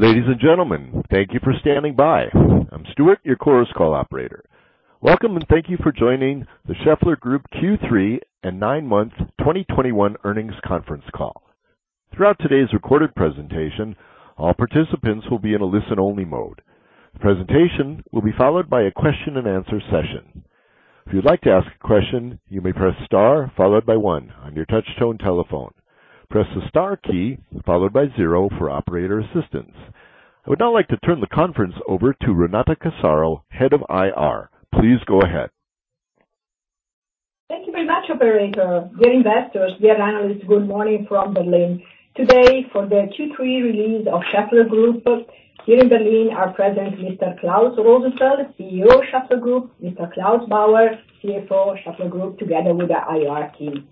Ladies and gentlemen, thank you for standing by. I'm Stuart, your Chorus Call operator. Welcome, and thank you for joining the Schaeffler Group Q3 and nine-month 2021 Earnings Conference Call. Throughout today's recorded presentation, all participants will be in a listen-only mode. The presentation will be followed by a question-and-answer session. If you'd like to ask a question, you may press star followed by one on your touchtone telephone. Press the star key followed by zero for operator assistance. I would now like to turn the conference over to Renata Casaro, Head of IR. Please go ahead. Thank you very much, operator. Dear investors, dear analysts, good morning from Berlin. Today, for the Q3 release of Schaeffler Group, here in Berlin are present Mr. Klaus Rosenfeld, CEO, Schaeffler Group, Mr. Claus Bauer, CFO, Schaeffler Group, together with the IR team.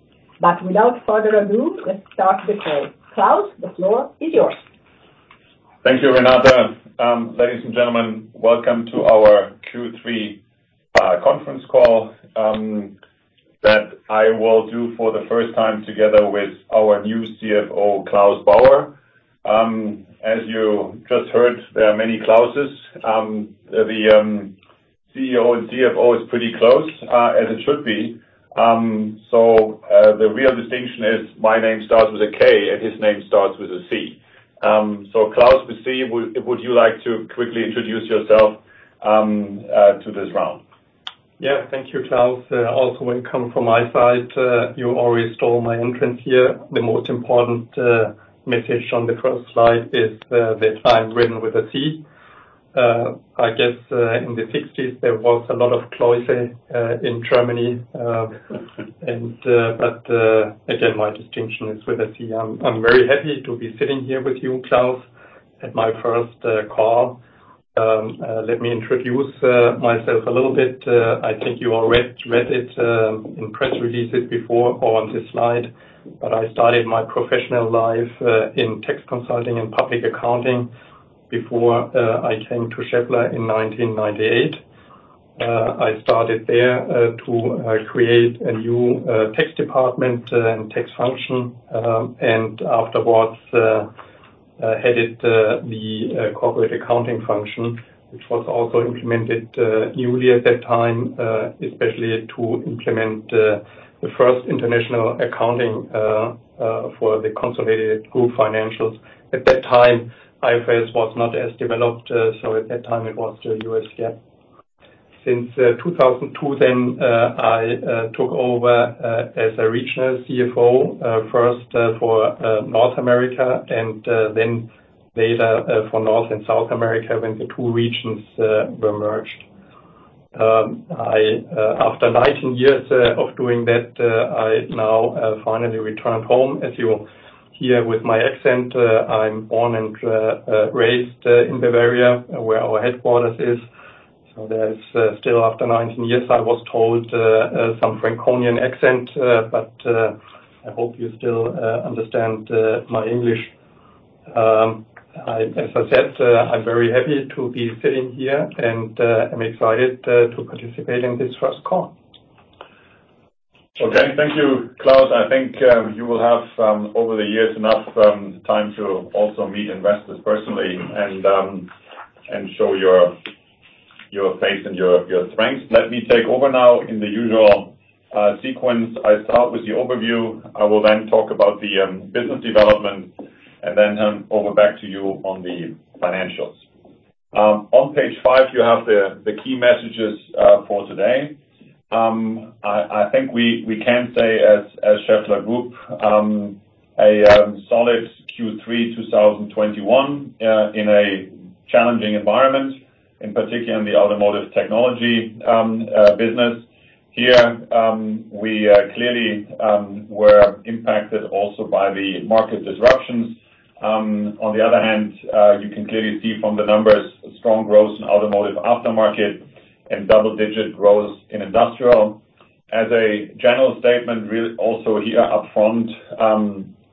Without further ado, let's start the call. Klaus, the floor is yours. Thank you, Renata. Ladies and gentlemen, welcome to our Q3 conference call that I will do for the first time together with our new CFO, Claus Bauer. As you just heard, there are many clauses. The CEO and CFO is pretty close, as it should be. The real distinction is my name starts with a K, and his name starts with a C. Claus with C, would you like to quickly introduce yourself to this round? Yeah. Thank you, Klaus. Also welcome from my side. You already stole my entrance here. The most important message on the first slide is that I'm written with a C. I guess in the sixties there was a lot of Klauses in Germany, but again, my distinction is with a C. I'm very happy to be sitting here with you, Klaus, at my first call. Let me introduce myself a little bit. I think you already read it in press releases before or on this slide, but I started my professional life in tax consulting and public accounting before I came to Schaeffler in 1998. I started there to create a new tax department and tax function, and afterwards headed the corporate accounting function, which was also implemented newly at that time, especially to implement the first international accounting for the consolidated group financials. At that time, IFRS was not as developed, so at that time it was the US GAAP. Since 2002 then, I took over as a regional CFO, first for North America and then later for North and South America when the two regions were merged. After 19 years of doing that, I now finally returned home. As you hear with my accent, I'm born and raised in Bavaria, where our headquarters is. There is still, after 19 years, I was told, some Franconian accent, but I hope you still understand my English. As I said, I'm very happy to be sitting here, and I'm excited to participate in this first call. Okay. Thank you, Claus. I think you will have over the years enough time to also meet investors personally and show your face and your strengths. Let me take over now in the usual sequence. I start with the overview. I will then talk about the business development and then hand over back to you on the financials. On page five, you have the key messages for today. I think we can say as Schaeffler Group, a solid Q3 2021 in a challenging environment, in particular in the Automotive Technologies business. Here, we clearly were impacted also by the market disruptions. On the other hand, you can clearly see from the numbers strong growth in Automotive Aftermarket and double-digit growth in Industrial. As a general statement, also here upfront,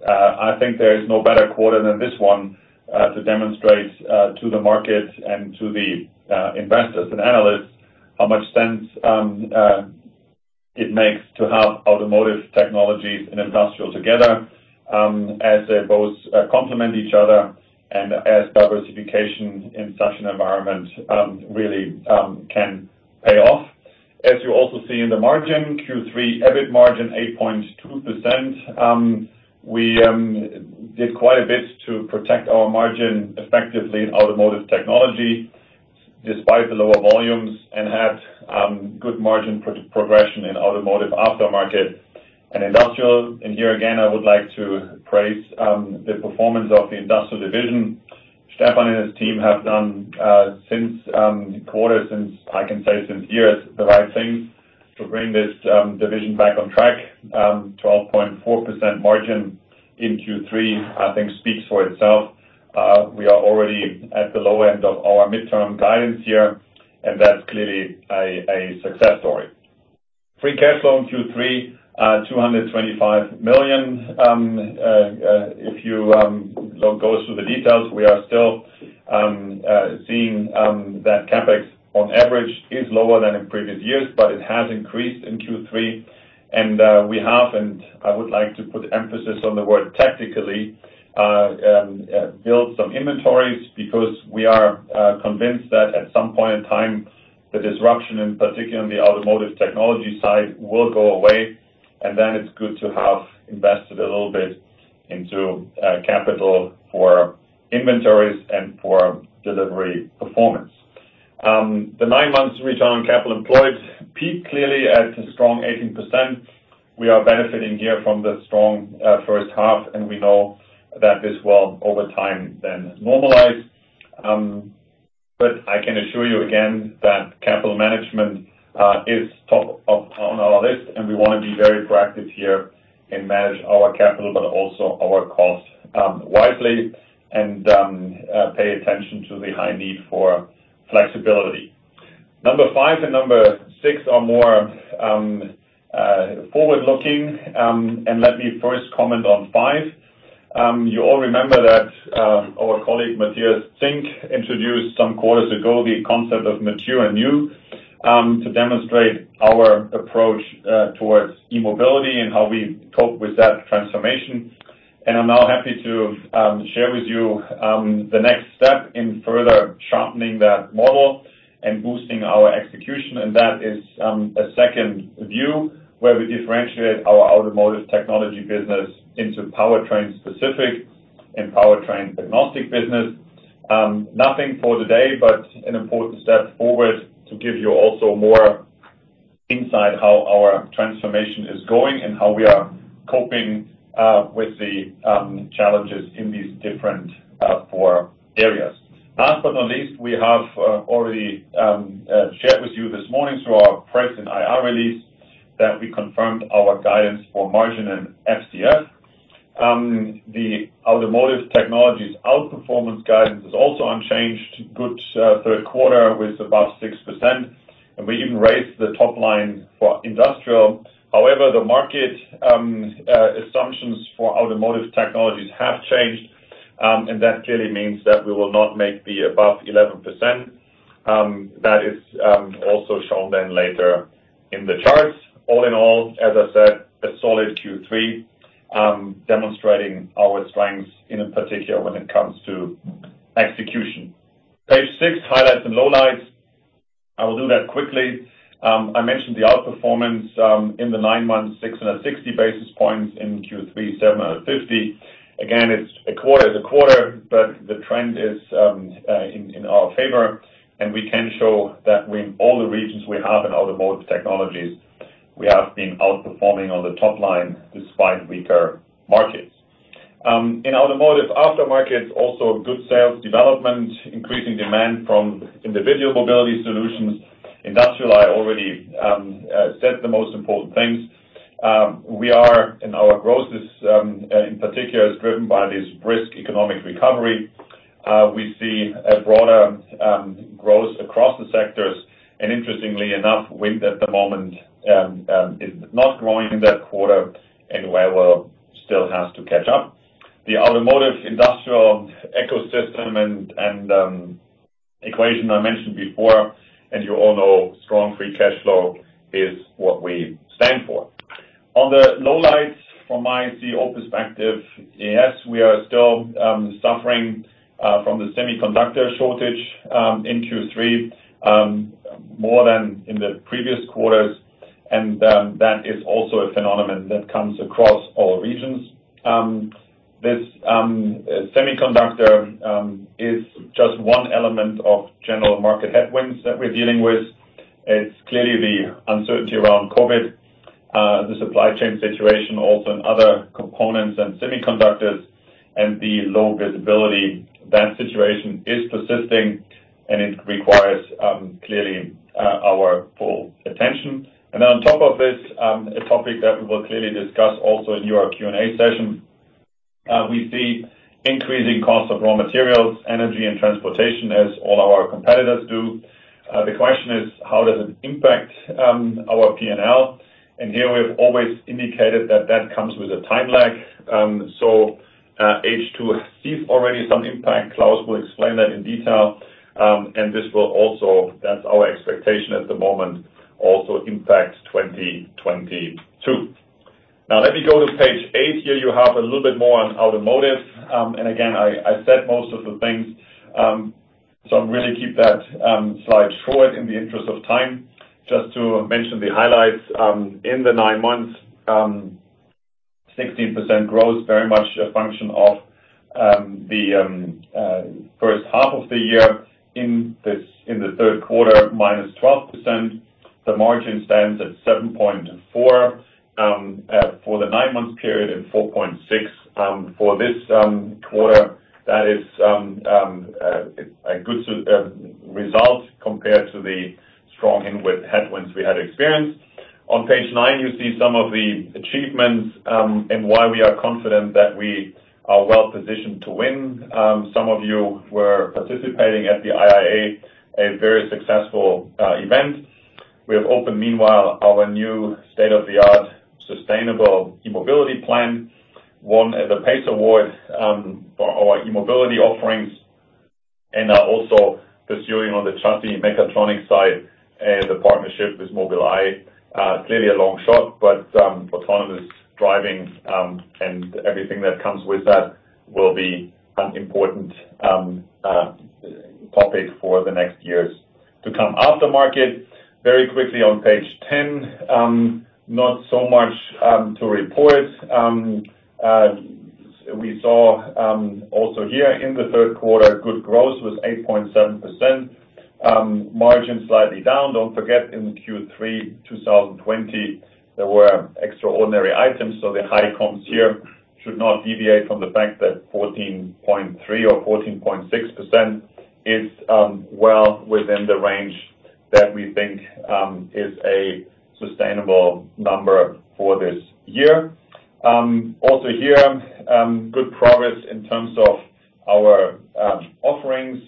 I think there is no better quarter than this one to demonstrate to the market and to the investors and analysts how much sense it makes to have Automotive Technologies and Industrial together, as they both complement each other and as diversification in such an environment really can pay off. As you also see in the margin, Q3 EBIT margin 8.2%. We did quite a bit to protect our margin effectively in Automotive Technologies, despite the lower volumes, and had good margin progression in Automotive Aftermarket and Industrial. Here again, I would like to praise the performance of the Industrial division. Stefan and his team have done for years the right thing to bring this division back on track. 12.4% margin in Q3, I think speaks for itself. We are already at the low end of our midterm guidance here, and that's clearly a success story. Free cash flow in Q3, 225 million. If you go through the details, we are still seeing that CapEx on average is lower than in previous years, but it has increased in Q3. I would like to put emphasis on the word tactically build some inventories because we are convinced that at some point in time the disruption in particular on the automotive technology side will go away, and then it's good to have invested a little bit into capital for inventories and for delivery performance. The nine months return on capital employed peaked clearly at a strong 18%. We are benefiting here from the strong first half, and we know that this will over time then normalize. I can assure you again that capital management is top of our list, and we wanna be very proactive here and manage our capital, but also our cost wisely and pay attention to the high need for flexibility. Number five and number six are more forward-looking, and let me first comment on five. You all remember that our colleague, Matthias Zink, introduced some quarters ago the concept of mature and new to demonstrate our approach towards e-mobility and how we cope with that transformation. I'm now happy to share with you the next step in further sharpening that model and boosting our execution, and that is a second view where we differentiate our automotive technology business into powertrain-specific and powertrain-agnostic business. Nothing for today, but an important step forward to give you also more insight how our transformation is going and how we are coping with the challenges in these different four areas. Last but not least, we have already shared with you this morning through our press and IR release that we confirmed our guidance for margin and FCF. The Automotive Technologies outperformance guidance is also unchanged, good third quarter with about 6%, and we even raised the top line for Industrial. However, the market assumptions for Automotive Technologies have changed, and that clearly means that we will not make the above 11%. That is also shown then later in the charts. All in all, as I said, a solid Q3, demonstrating our strengths in particular when it comes to execution. Page six, highlights and lowlights. I will do that quickly. I mentioned the outperformance in the nine months, 660 basis points in Q3, 750. Again, it's a quarter is a quarter, but the trend is in our favor, and we can show that we in all the regions we have in automotive technologies, we have been outperforming on the top line despite weaker markets. In automotive aftermarket, also good sales development, increasing demand from individual mobility solutions. Industrial, I already said the most important things. We are and our growth is in particular driven by this brisk economic recovery. We see a broader growth across the sectors, and interestingly enough, wind at the moment is not growing in that quarter and where we're still has to catch up. The automotive industrial ecosystem and equation I mentioned before, and you all know strong free cash flow is what we stand for. On the lowlights from my CEO perspective, yes, we are still suffering from the semiconductor shortage in Q3 more than in the previous quarters, and that is also a phenomenon that comes across all regions. This semiconductor is just one element of general market headwinds that we're dealing with. It's clearly the uncertainty around COVID, the supply chain situation also in other components and semiconductors and the low visibility. That situation is persisting, and it requires clearly our full attention. On top of this, a topic that we will clearly discuss also in your Q&A session, we see increasing cost of raw materials, energy and transportation as all our competitors do. The question is how does it impact our P&L? Here we have always indicated that that comes with a time lag. H2 sees already some impact. Klaus will explain that in detail, and this will also, that's our expectation at the moment, also impact 2022. Now let me go to page eight. Here you have a little bit more on automotive. Again, I said most of the things, so I'm gonna keep that slide short in the interest of time. Just to mention the highlights, in the nine months, 16% growth, very much a function of the H1 of the year. In the third quarter, -12%. The margin stands at 7.4% for the nine month period and 4.6% for this quarter. That is a good result compared to the strong headwinds we had experienced. On page nine, you see some of the achievements and why we are confident that we are well positioned to win. Some of you were participating at the IAA, a very successful event. We have opened meanwhile our new state-of-the-art sustainable e-mobility plant, won the PACE Award for our e-mobility offerings, and are also pursuing on the chassis and mechatronics side the partnership with Mobileye. Clearly a long shot, but autonomous driving and everything that comes with that will be an important topic for the next years to come. Aftermarket, very quickly on page ten, not so much to report. We saw also here in the third quarter, good growth was 8.7%. Margin slightly down. Don't forget, in Q3 2020, there were extraordinary items. The high comps here should not deviate from the fact that 14.3% or 14.6% is well within the range that we think is a sustainable number for this year. Also here, good progress in terms of our offerings.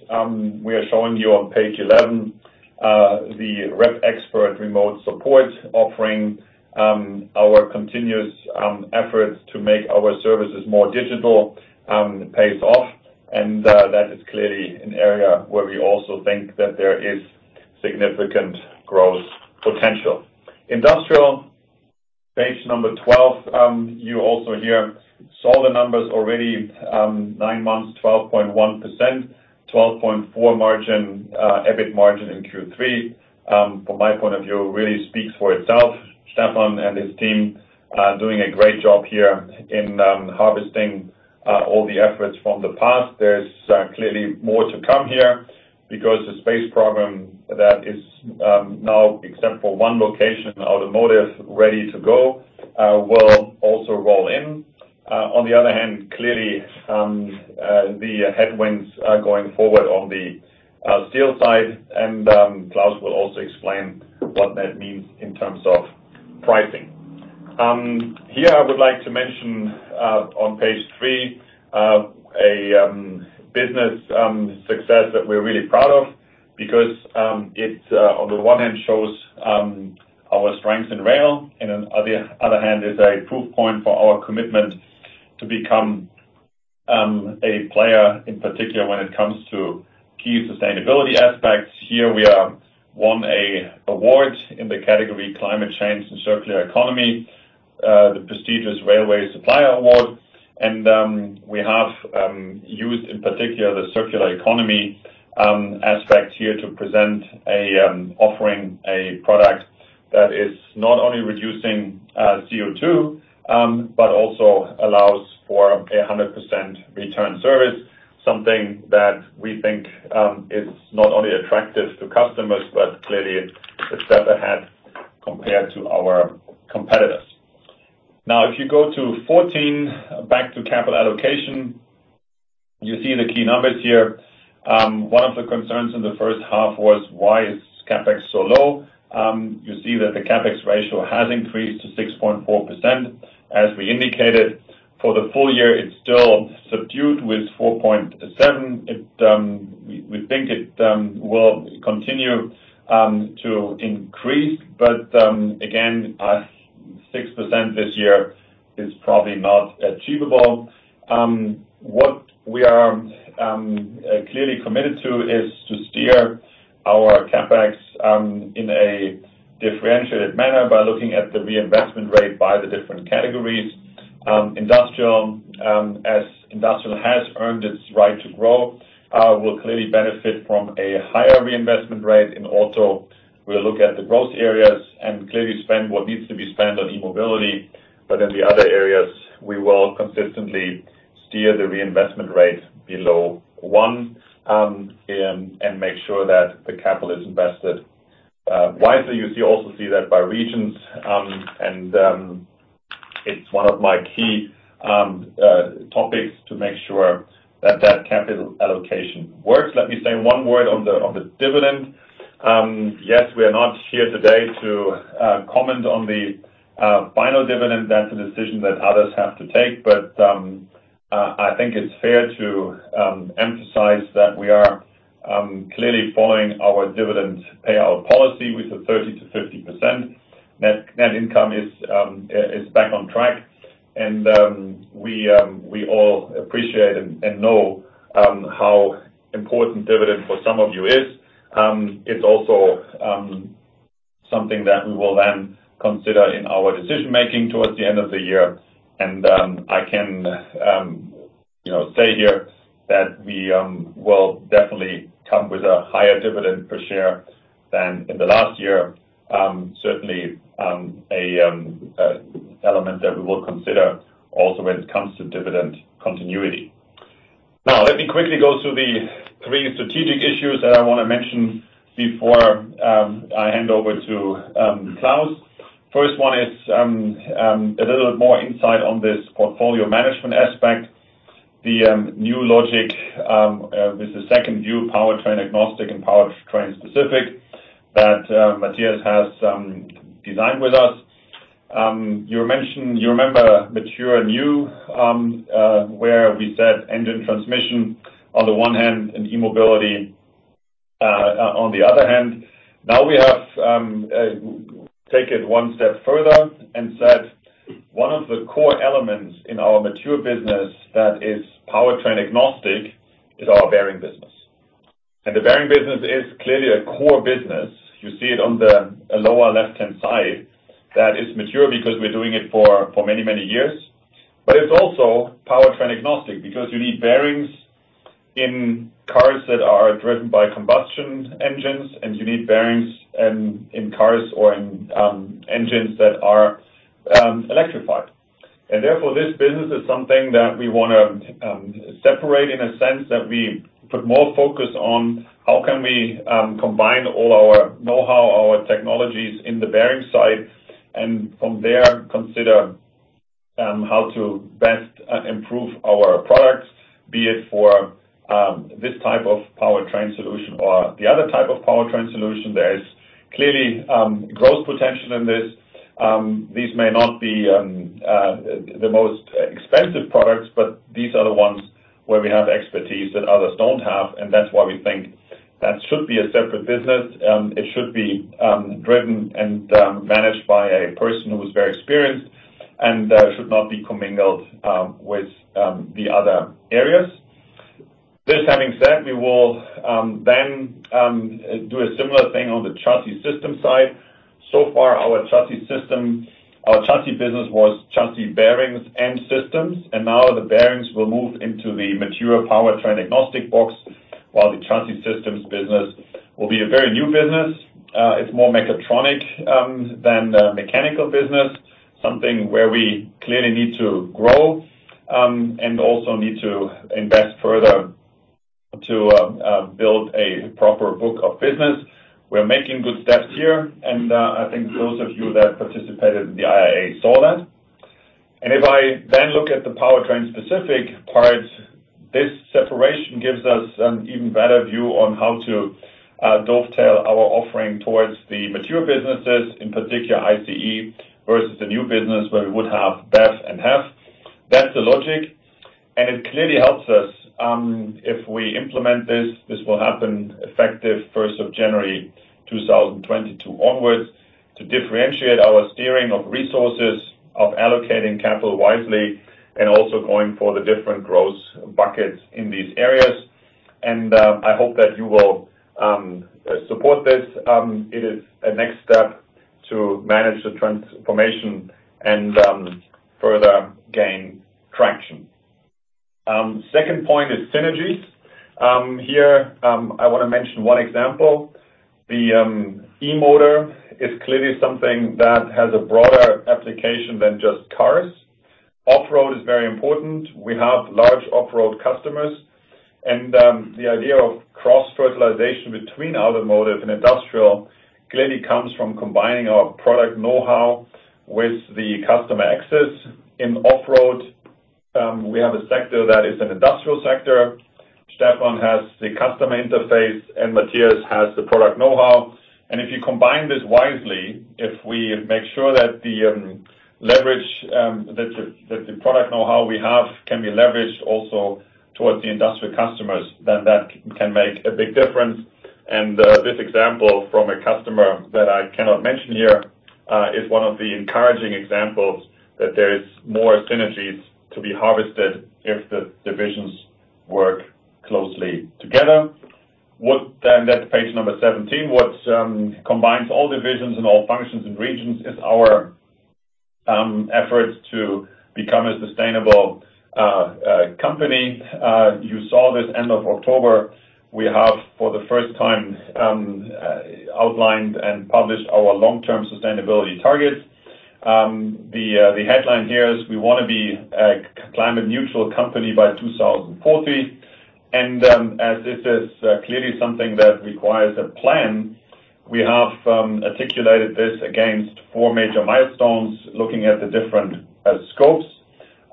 We are showing you on page 11, the REPXPERT remote support offering, our continuous efforts to make our services more digital pays off, and that is clearly an area where we also think that there is significant growth potential. Industrial, page number 12. You also here saw the numbers already, nine months, 12.1%. 12.4 margin, EBIT margin in Q3. From my point of view, really speaks for itself. Stefan and his team are doing a great job here in harvesting all the efforts from the past. There's clearly more to come here because the Space Drive that is now, except for one location, automotive ready to go, will also roll in. On the other hand, clearly, the headwinds are going forward on the steel side, and Klaus will also explain what that means in terms of pricing. Here I would like to mention, on page three, a business success that we're really proud of because, on the one hand, it shows our strength in rail, and on the other hand, is a proof point for our commitment to become a player, in particular, when it comes to key sustainability aspects. Here we are, won an award in the category Climate Change and Circular Economy, the prestigious Railsponsible Supplier Award. We have used, in particular, the circular economy aspect here to present an offering, a product that is not only reducing CO2, but also allows for 100% return service, something that we think is not only attractive to customers, but clearly a step ahead compared to our competitors. Now, if you go to 14, back to capital allocation, you see the key numbers here. One of the concerns in the first half was why is CapEx so low. You see that the CapEx ratio has increased to 6.4%. As we indicated, for the full year, it's still subdued with 4.7%. We think it will continue to increase. Again, 6% this year is probably not achievable. What we are clearly committed to is to steer our CapEx in a differentiated manner by looking at the reinvestment rate by the different categories. Industrial, as industrial has earned its right to grow, will clearly benefit from a higher reinvestment rate. In auto, we'll look at the growth areas and clearly spend what needs to be spent on e-mobility. But in the other areas, we will consistently steer the reinvestment rate below one and make sure that the capital is invested wisely. You also see that by regions, and it's one of my key topics to make sure that that capital allocation works. Let me say one word on the dividend. Yes, we are not here today to comment on the final dividend. That's a decision that others have to take. I think it's fair to emphasize that we are clearly following our dividend payout policy with the 30%-50%. Net income is back on track. We all appreciate and know how important dividend for some of you is. It's also something that we will then consider in our decision-making towards the end of the year. I can you know say here that we will definitely come with a higher dividend per share than in the last year. Certainly, a element that we will consider also when it comes to dividend continuity. Now, let me quickly go through the three strategic issues that I wanna mention before I hand over to Klaus. First one is a little more insight on this portfolio management aspect. The new logic with the second view, powertrain agnostic and powertrain specific that Matthias has designed with us. You mentioned, you remember mature and new, where we said engine transmission on the one hand and e-mobility on the other hand. Now we have taken it one step further and said one of the core elements in our mature business that is powertrain agnostic is our bearing business. The bearing business is clearly a core business. You see it on the lower left-hand side. That is mature because we're doing it for many years. It's also powertrain-agnostic because you need bearings in cars that are driven by combustion engines, and you need bearings in cars or in engines that are electrified. And therefore, this business is something that we wanna separate in a sense that we put more focus on how can we combine all our know-how, our technologies in the bearing side, and from there, consider how to best improve our products, be it for this type of powertrain solution or the other type of powertrain solution. There is clearly growth potential in this. These may not be the most expensive products, but these are the ones where we have expertise that others don't have, and that's why we think that should be a separate business. It should be driven and managed by a person who is very experienced and should not be commingled with the other areas. This having said, we will then do a similar thing on the chassis system side. So far, our chassis system, our chassis business was chassis bearings and systems, and now the bearings will move into the mature powertrain-agnostic box while the chassis systems business will be a very new business. It's more mechatronic than the mechanical business, something where we clearly need to grow and also need to invest further to build a proper book of business. We're making good steps here, and I think those of you that participated in the IAA saw that. If I then look at the powertrain-specific parts, this separation gives us an even better view on how to dovetail our offering towards the mature businesses, in particular ICE, versus the new business where we would have BEV and HEV. That's the logic. It clearly helps us, if we implement this will happen effective first of January 2022 onwards, to differentiate our steering of resources, of allocating capital wisely, and also going for the different growth buckets in these areas. I hope that you will support this. It is a next step to manage the transformation and further gain traction. Second point is synergies. Here, I wanna mention one example. The e-motor is clearly something that has a broader application than just cars. Off-road is very important. We have large off-road customers. The idea of cross-fertilization between automotive and industrial clearly comes from combining our product know-how with the customer access in off-road. We have a sector that is an industrial sector. Stefan has the customer interface, and Matthias has the product know-how. If you combine this wisely, if we make sure that the leverage that the product know-how we have can be leveraged also towards the industrial customers, then that can make a big difference. This example from a customer that I cannot mention here is one of the encouraging examples that there is more synergies to be harvested if the divisions work closely together. That's page number 17. What combines all divisions and all functions and regions is our effort to become a sustainable company. You saw this end of October. We have, for the first time, outlined and published our long-term sustainability targets. The headline here is we wanna be a climate-neutral company by 2040. As this is clearly something that requires a plan, we have articulated this against four major milestones, looking at the different scopes.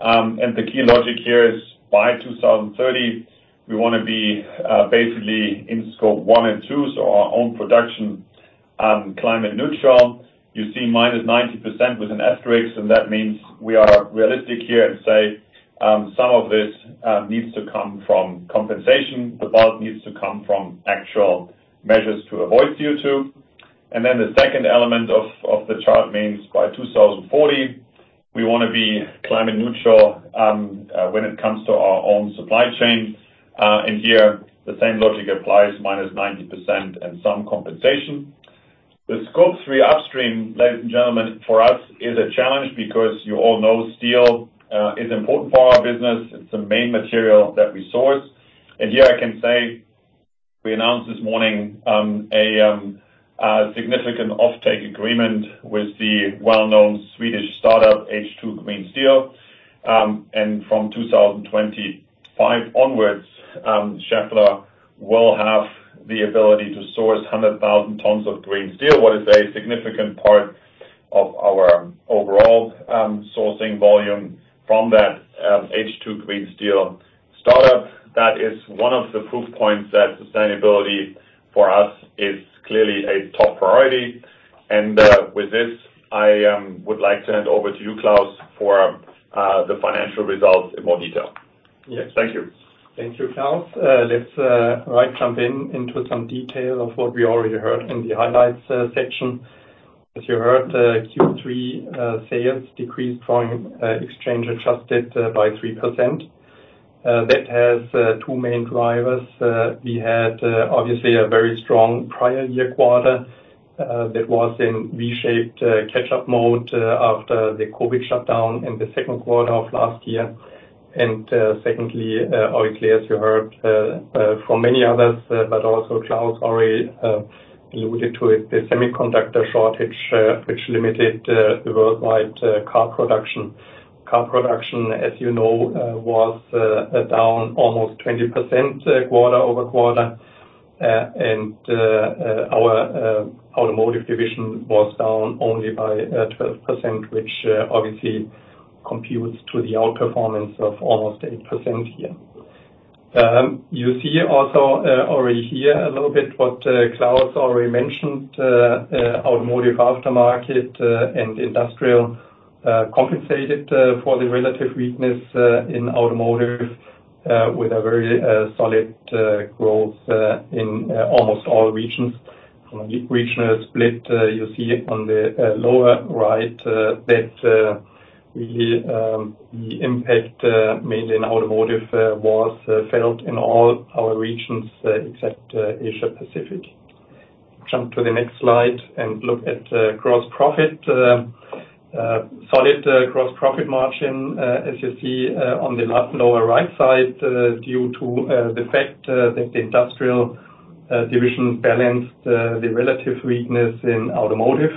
The key logic here is by 2030, we wanna be basically in Scope 1 and 2, so our own production, climate neutral. You see -90% with an asterisk, and that means we are realistic here and say, some of this needs to come from compensation. The bulk needs to come from actual measures to avoid CO2. The second element of the chart means by 2040, we wanna be climate neutral when it comes to our own supply chain. Here the same logic applies, -90% and some compensation. The Scope 3 upstream, ladies and gentlemen, for us is a challenge because you all know steel is important for our business. It's the main material that we source. Here I can say we announced this morning a significant offtake agreement with the well-known Swedish startup H2 Green Steel. From 2025 onwards, Schaeffler will have the ability to source 100,000 tons of green steel. What is a significant part of our overall sourcing volume from that H2 Gr+ een Steel startup. That is one of the proof points that sustainability for us is clearly a top priority. With this, I would like to hand over to you, Claus, for the financial results in more detail. Yes. Thank you. Thank you, Klaus. Let's just jump right into some detail of what we already heard in the highlights section. As you heard, Q3 sales decreased, volume and exchange adjusted, by 3%. That has two main drivers. We had obviously a very strong prior year quarter that was in V-shaped catch-up mode after the COVID shutdown in the second quarter of last year. Secondly, obviously, as you heard from many others, but also Klaus already alluded to it, the semiconductor shortage which limited the worldwide car production. Car production, as you know, was down almost 20% quarter-over-quarter. Our automotive division was down only by 12%, which obviously computes to the outperformance of almost 8% here. You see also already here a little bit what Klaus already mentioned, automotive aftermarket and industrial compensated for the relative weakness in automotive with a very solid growth in almost all regions. From a regional split, you see on the lower right that the impact made in automotive was felt in all our regions except Asia-Pacific. Jump to the next slide and look at gross profit. Solid gross profit margin as you see on the left lower right side due to the fact that the industrial division balanced the relative weakness in automotive.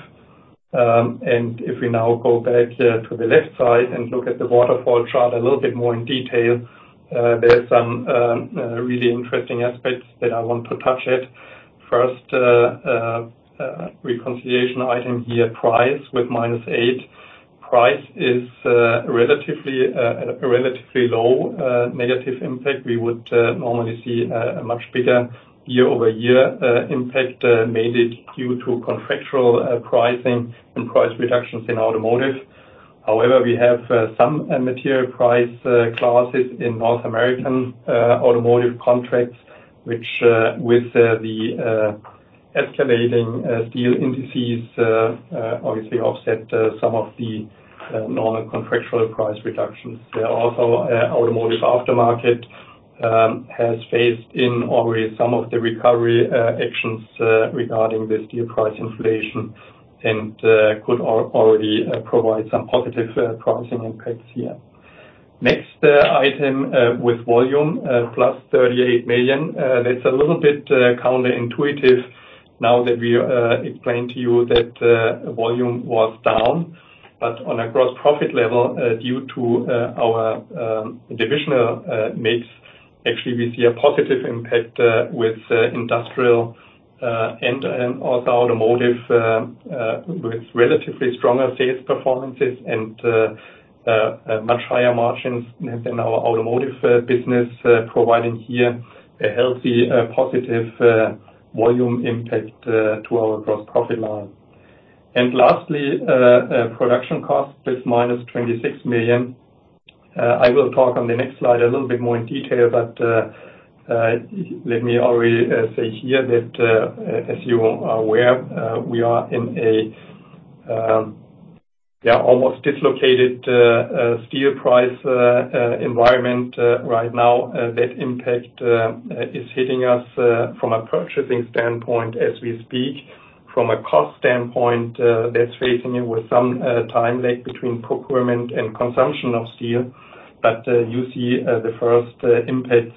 If we now go back to the left side and look at the waterfall chart a little bit more in detail, there are some really interesting aspects that I want to touch on it. First, reconciliation item here, price with -8. Price is relatively low, negative impact. We would normally see a much bigger year-over-year impact, mainly due to contractual pricing and price reductions in automotive. However, we have some material price clauses in North American automotive contracts, which, with the escalating steel indices, obviously offset some of the normal contractual price reductions. Automotive aftermarket has phased in already some of the recovery actions regarding the steel price inflation and could already provide some positive pricing impacts here. Next item with volume +38 million. That's a little bit counterintuitive now that we explain to you that volume was down. On a gross profit level, due to our divisional mix, actually, we see a positive impact with industrial and also automotive with relatively stronger sales performances and much higher margins than our automotive business providing here a healthy positive volume impact to our gross profit line. Lastly, production cost with -26 million. I will talk on the next slide a little bit more in detail, but let me already say here that, as you are aware, we are in an almost dislocated steel price environment right now. That impact is hitting us from a purchasing standpoint as we speak. From a cost standpoint, we're facing it with some time lag between procurement and consumption of steel. You see the first impacts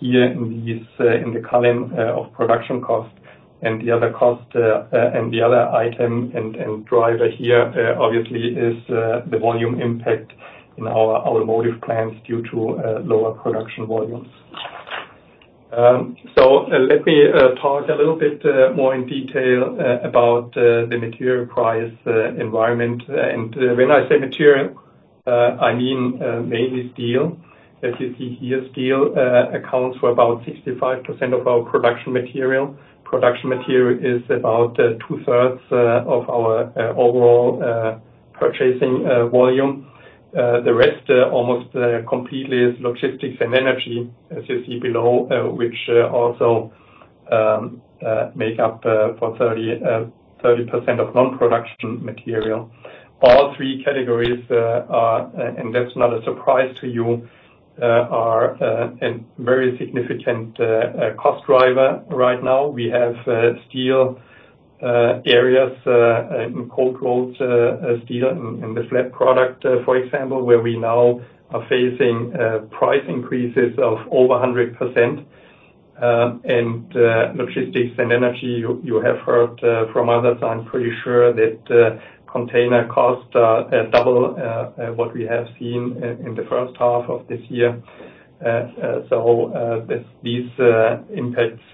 here in the column of production cost and the other cost and the other item and driver here obviously is the volume impact in our automotive plants due to lower production volumes. Let me talk a little bit more in detail about the material price environment. When I say material, I mean mainly steel. As you see here, steel accounts for about 65% of our production material. Production material is about two-thirds of our overall purchasing volume. The rest almost completely is logistics and energy, as you see below, which also make up for 30% of non-production material. All three categories and that's not a surprise to you are a very significant cost driver right now. We have steel areas in cold-rolled steel in the flat product, for example, where we now are facing price increases of over 100%. Logistics and energy, you have heard from others, I'm pretty sure that container costs are double what we have seen in the H1 of this year. These impacts,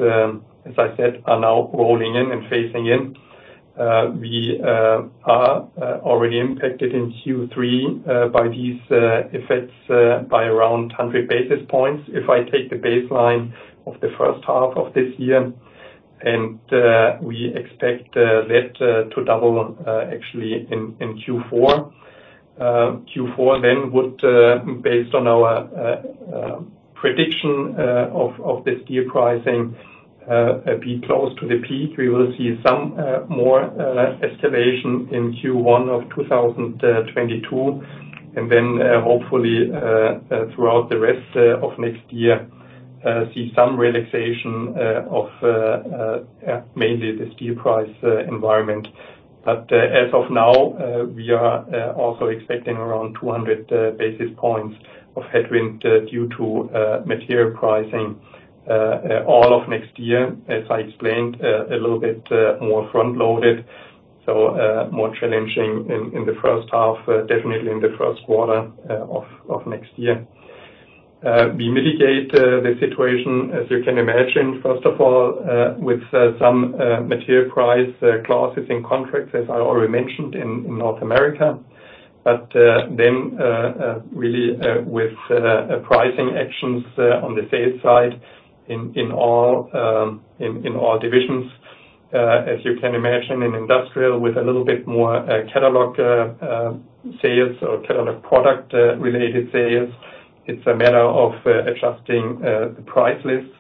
as I said, are now rolling in and phasing in. We are already impacted in Q3 by these effects by around 100 basis points. If I take the baseline of the first half of this year, we expect that to double actually in Q4. Q4 then would, based on our prediction of the steel pricing, be close to the peak. We will see some more escalation in Q1 of 2022, and then hopefully throughout the rest of next year see some relaxation of mainly the steel price environment. As of now we are also expecting around 200 basis points of headwind due to material pricing all of next year, as I explained a little bit more front-loaded, so more challenging in the first half, definitely in the first quarter of next year. We mitigate the situation, as you can imagine, first of all with some material price clauses and contracts, as I already mentioned, in North America. Really, with pricing actions on the sales side in all divisions. As you can imagine, in industrial with a little bit more catalog sales or catalog product related sales, it's a matter of adjusting the price list.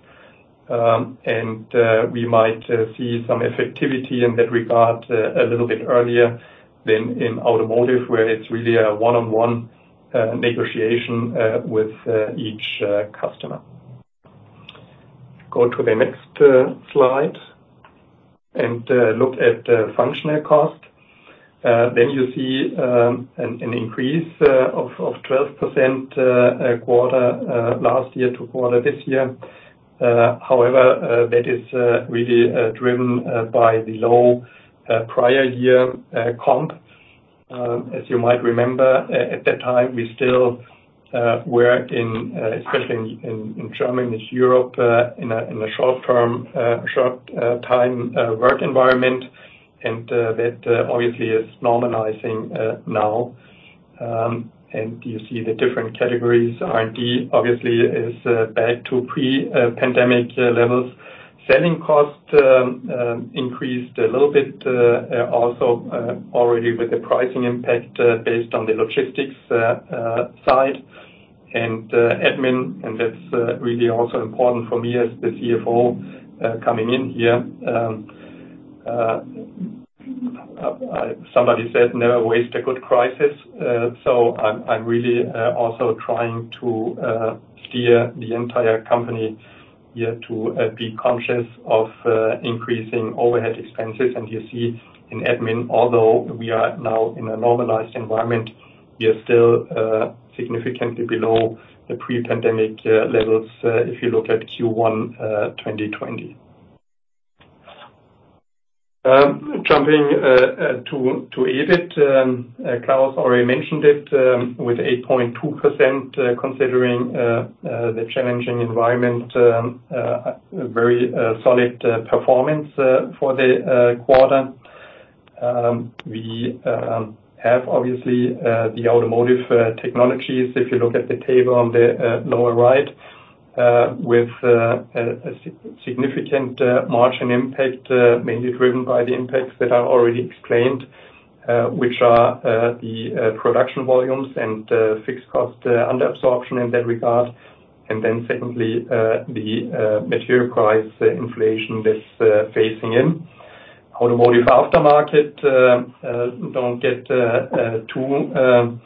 We might see some effectivity in that regard a little bit earlier than in automotive, where it's really a one-on-one negotiation with each customer. Go to the next slide and look at functional cost. You see an increase of 12% quarter last year to quarter this year. However, that is really driven by the low prior year comp. As you might remember, at that time, we still were in, especially in Germany, Europe, in a short-time work environment, and that obviously is normalizing now. You see the different categories. R&D obviously is back to pre-pandemic levels. Selling costs increased a little bit, also already with the pricing impact based on the logistics side and admin, and that's really also important for me as the CFO coming in here. Somebody said, "Never waste a good crisis." I'm really also trying to steer the entire company here to be conscious of increasing overhead expenses. You see in admin, although we are now in a normalized environment, we are still significantly below the pre-pandemic levels if you look at Q1 2020. Jumping to EBIT, Klaus already mentioned it with 8.2%, considering the challenging environment, very solid performance for the quarter. We have obviously the Automotive Technologies, if you look at the table on the lower right, with a significant margin impact, mainly driven by the impacts that I already explained, which are the production volumes and fixed cost under absorption in that regard. Secondly, the material price inflation that's facing in. Automotive Aftermarket, don't get too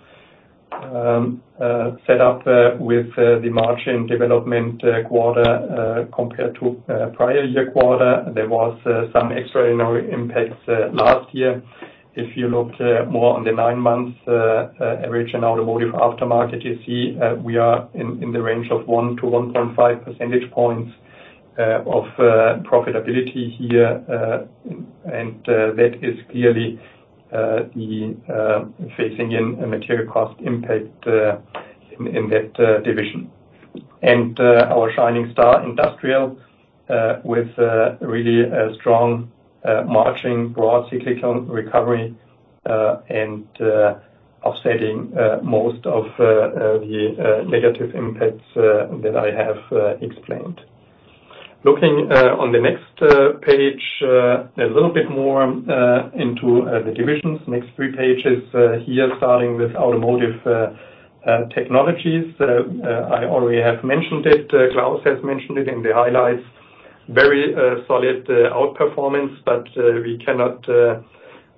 upset with the margin development quarter compared to prior-year quarter. There was some extraordinary impacts last year. If you looked more on the nine-month average in Automotive Aftermarket, you see we are in the range of 1-1.5 percentage points of profitability here. That is clearly the factoring in material cost impact in that division. Our shining star, Industrial, with really a strong margin, broad cyclical recovery, and offsetting most of the negative impacts that I have explained. Looking on the next page a little bit more into the divisions. Next three pages, here starting with Automotive Technologies. I already have mentioned it, Klaus has mentioned it in the highlights. Very solid outperformance, but we cannot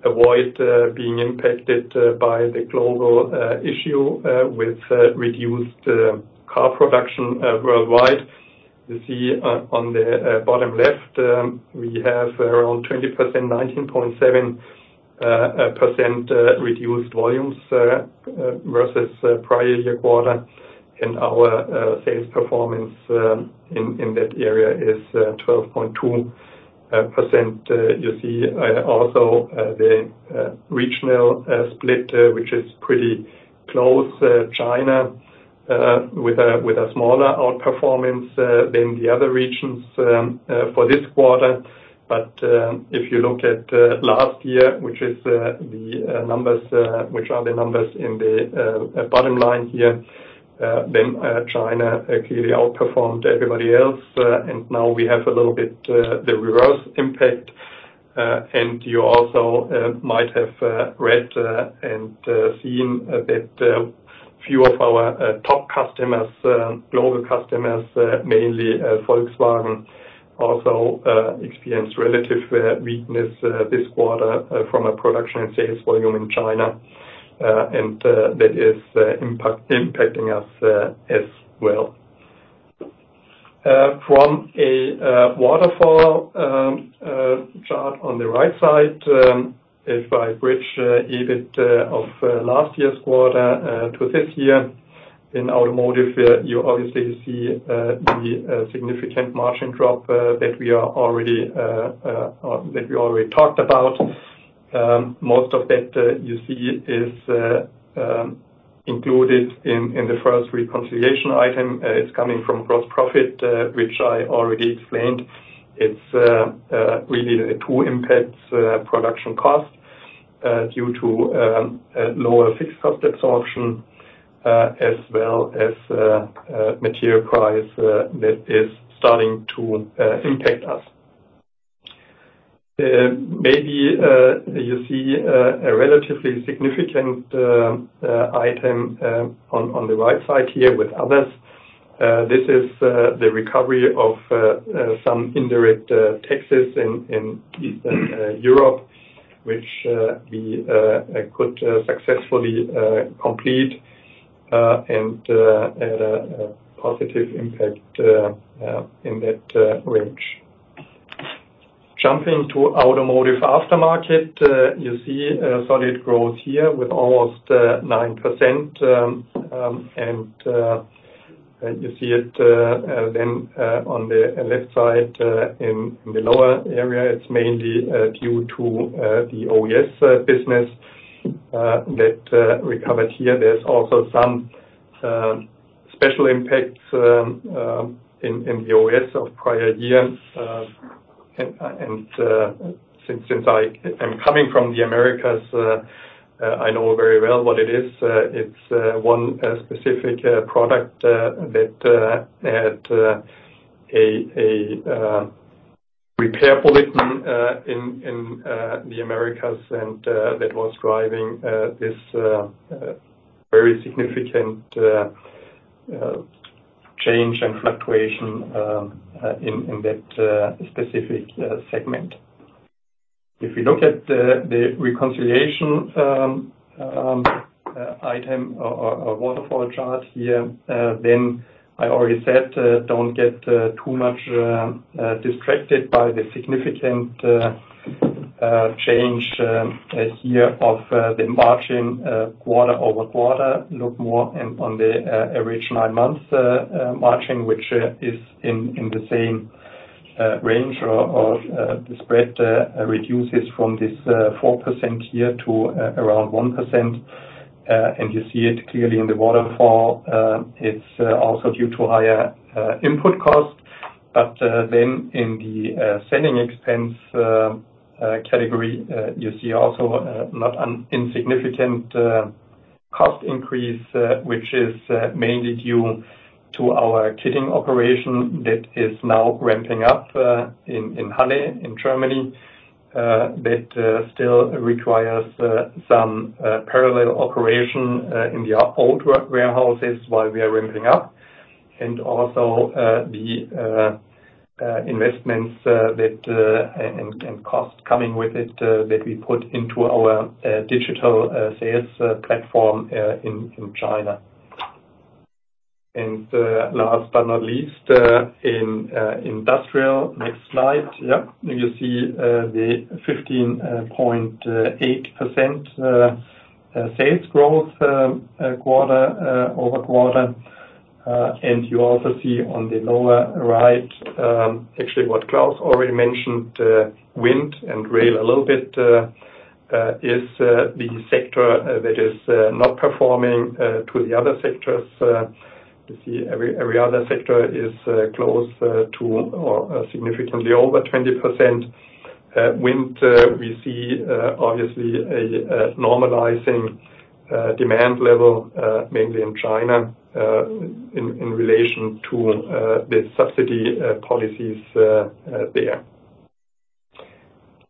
avoid being impacted by the global issue with reduced car production worldwide. You see on the bottom left, we have around 20%, 19.7% reduced volumes versus prior year quarter. Our sales performance in that area is 12.2%. You see also the regional split which is pretty close. China with a smaller outperformance than the other regions for this quarter. If you look at last year, which are the numbers in the bottom line here, then China clearly outperformed everybody else. Now we have a little bit of the reverse impact. You also might have read and seen a few of our top global customers, mainly Volkswagen, also experienced relative weakness this quarter from a production and sales volume in China. That is impacting us as well. From a waterfall chart on the right side, if I bridge EBIT of last year's quarter to this year, in automotive, you obviously see the significant margin drop that we already talked about. Most of that you see is included in the first reconciliation item. It's coming from gross profit, which I already explained. It's really two impacts, production costs due to lower fixed cost absorption as well as material price that is starting to impact us. Maybe you see a relatively significant item on the right side here with others. This is the recovery of some indirect taxes in Eastern Europe, which we could successfully complete and had a positive impact in that range. Jumping to automotive aftermarket, you see a solid growth here with almost 9%, and you see it then on the left side in the lower area. It's mainly due to the OES business that recovered here. There's also some special impacts in the OES of prior years. Since I am coming from the Americas, I know very well what it is. It's one specific product that had a repair bulletin in the Americas and that was driving this very significant change and fluctuation in that specific segment. If we look at the reconciliation item or waterfall chart here, then I already said, don't get too much distracted by the significant change here of the margin quarter-over-quarter. Look more on the original month margin, which is in the same range or the spread reduces from this 4% here to around 1%. You see it clearly in the waterfall. It's also due to higher input costs. Then in the selling expense category, you see also not an insignificant cost increase, which is mainly due to our kitting operation that is now ramping up in Halle, in Germany. That still requires some parallel operation in the old warehouses while we are ramping up. The investments and cost coming with it that we put into our digital sales platform in China. Last but not least, in industrial. Next slide. Yeah. You see the 15.8% sales growth quarter-over-quarter. You also see on the lower right, actually what Klaus already mentioned, wind and rail a little bit is the sector that is not performing to the other sectors. You see every other sector is close to or significantly over 20%. Wind, we see obviously a normalizing demand level mainly in China in relation to the subsidy policies there.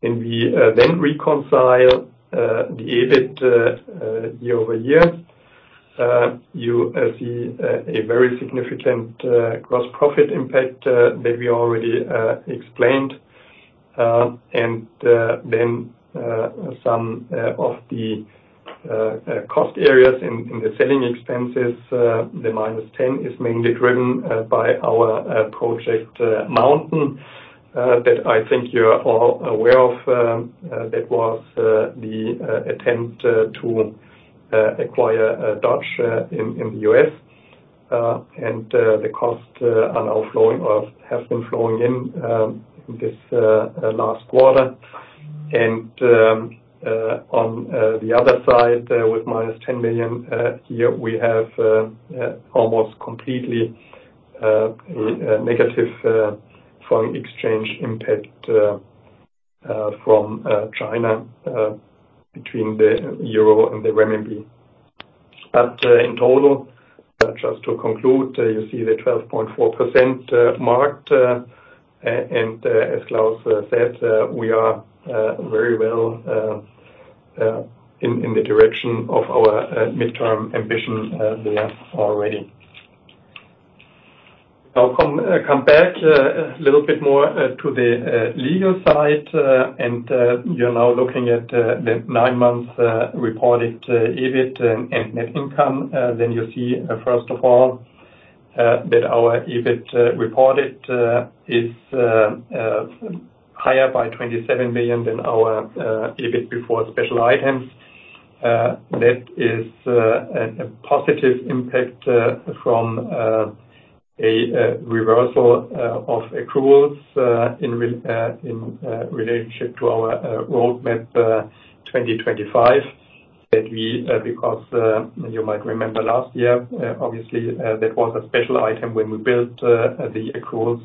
We then reconcile the EBIT year-over-year. You see a very significant gross profit impact that we already explained. Some of the cost areas in the selling expenses, the -10 is mainly driven by our Project Mountain that I think you're all aware of. That was the attempt to acquire Dodge in the U.S. The cost are now flowing or have been flowing in this last quarter. On the other side with -10 million, here we have almost completely negative foreign exchange impact from China between the euro and the renminbi. In total, just to conclude, you see the 12.4% margin, and as Klaus said, we are very well in the direction of our midterm ambition there already. I'll come back a little bit more to the legal side, and you're now looking at the nine months reported EBIT and net income. Then you see, first of all, that our EBIT reported is higher by 27 million than our EBIT before special items. That is a positive impact from a reversal of accruals in relationship to our Roadmap 2025 that we, because you might remember last year, obviously, that was a special item when we built the accruals,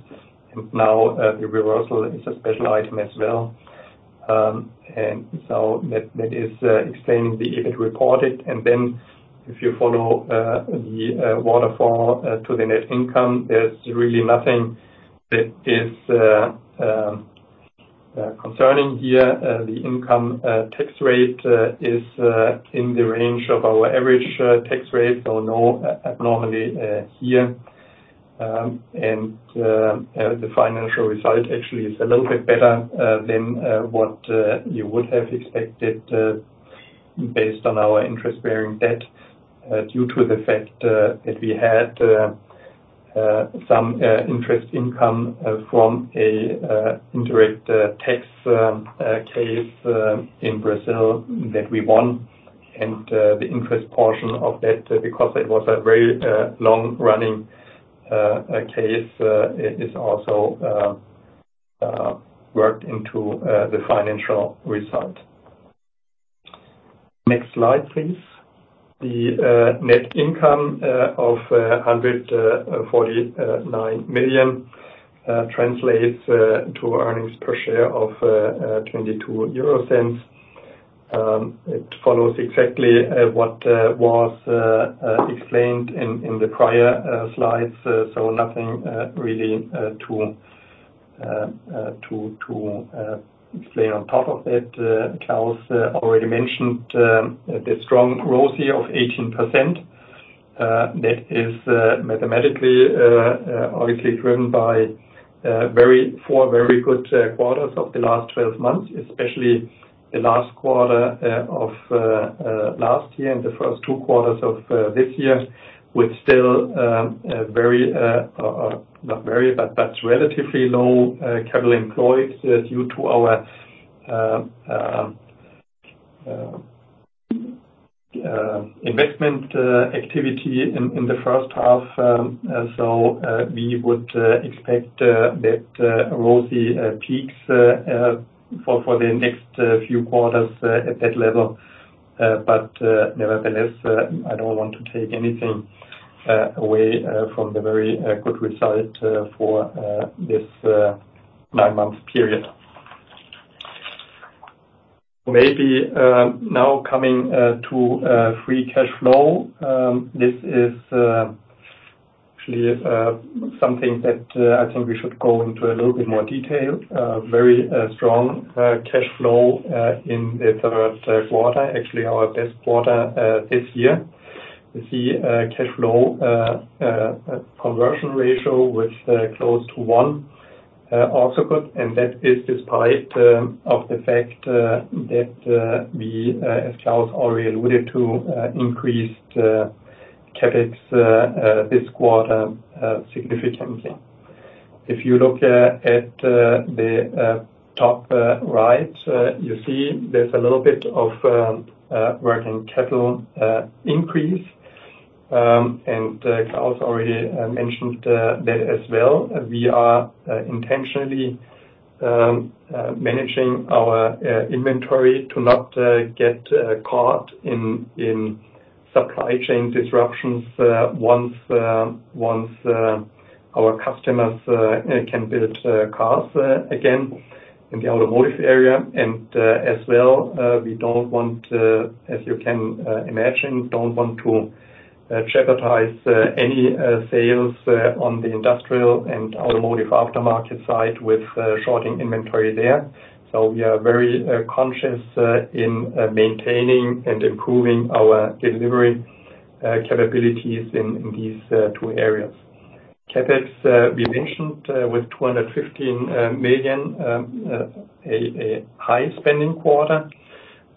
and now the reversal is a special item as well. That is explaining the EBIT reported. Then if you follow the waterfall to the net income, there's really nothing that is concerning here. The income tax rate is in the range of our average tax rate, so no abnormality here. The financial result actually is a little bit better than what you would have expected based on our interest-bearing debt due to the fact that we had some interest income from an indirect tax case in Brazil that we won. The interest portion of that because it was a very long-running case it is also worked into the financial result. Next slide, please. The net income of 149 million translates to earnings per share of 0.22. It follows exactly what was explained in the prior slides so nothing really to explain on top of that. Klaus already mentioned the strong ROCE of 18%. That is mathematically obviously driven by four very good quarters of the last 12 months, especially the last quarter of last year and the first two quarters of this year, with still a relatively low capital employed due to our investment activity in the first half. We would expect that ROCE peaks for the next few quarters at that level. Nevertheless, I don't want to take anything away from the very good result for this nine month period. Maybe now coming to free cash flow. This is actually something that I think we should go into a little bit more detail. Very strong cash flow in the third quarter, actually our best quarter this year. We see cash flow conversion ratio with close to one, also good, and that is despite of the fact that we, as Klaus already alluded to, increased CapEx this quarter significantly. If you look at the top right, you see there's a little bit of working capital increase, and Klaus already mentioned that as well. We are intentionally managing our inventory to not get caught in supply chain disruptions once our customers can build cars again in the automotive area. As well, we don't want, as you can imagine, to jeopardize any sales on the industrial and automotive aftermarket side with shorting inventory there. We are very conscious in maintaining and improving our delivery capabilities in these two areas. CapEx, we mentioned, with 215 million, a high spending quarter,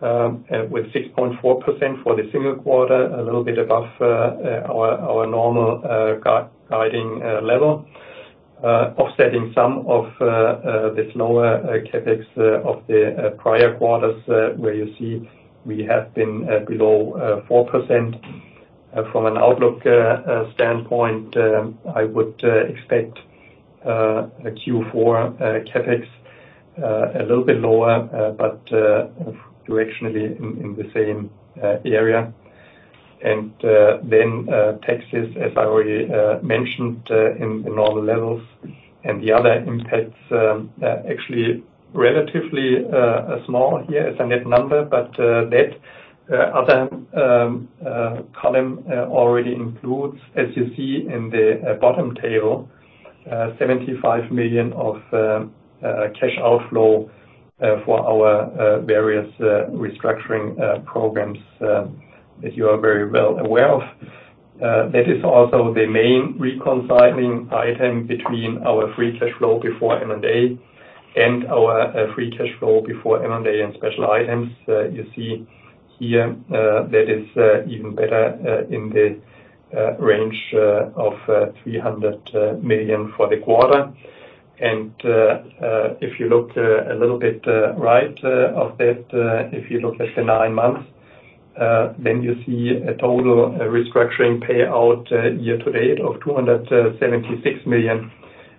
with 6.4% for the single quarter, a little bit above our normal guiding level, offsetting some of the slower CapEx of the prior quarters, where you see we have been below 4%. From an outlook standpoint, I would expect a Q4 CapEx a little bit lower, but directionally in the same area. Taxes, as I already mentioned, in the normal levels and the other impacts actually relatively small here as a net number. That other column already includes, as you see in the bottom table, 75 million cash outflow for our various restructuring programs that you are very well aware of. That is also the main reconciling item between our free cash flow before M&A and special items. You see here, that is even better in the range of 300 million for the quarter. If you look a little bit right of that, if you look at the nine months, then you see a total restructuring payout year to date of 276 million,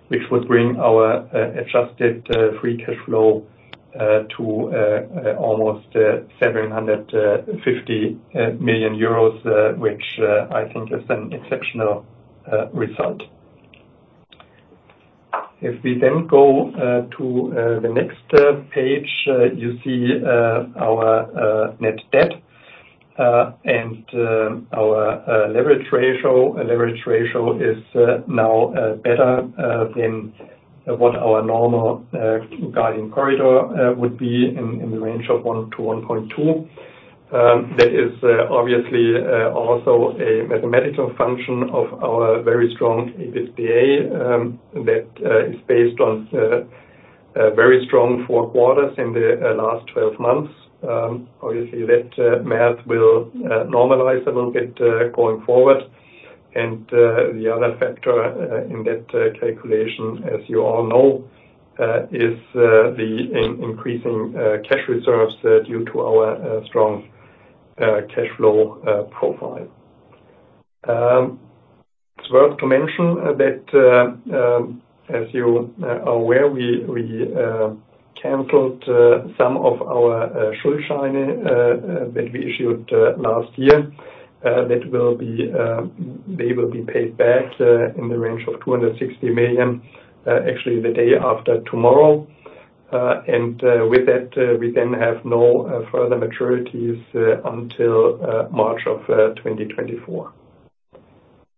which would bring our adjusted free cash flow to almost 750 million euros, which I think is an exceptional result. If we then go to the next page, you see our net debt and our leverage ratio. Leverage ratio is now better than what our normal guiding corridor would be in the range of 1-1.2. That is obviously also a mathematical function of our very strong EBITDA that is based on very strong four quarters in the last 12 months. Obviously that math will normalize a little bit going forward. The other factor in that calculation, as you all know, is the increasing cash reserves due to our strong cash flow profile. It's worth mentioning that, as you are aware, we canceled some of our Schuldscheine that we issued last year. They will be paid back in the range of 260 million, actually the day after tomorrow. With that, we then have no further maturities until March of 2024.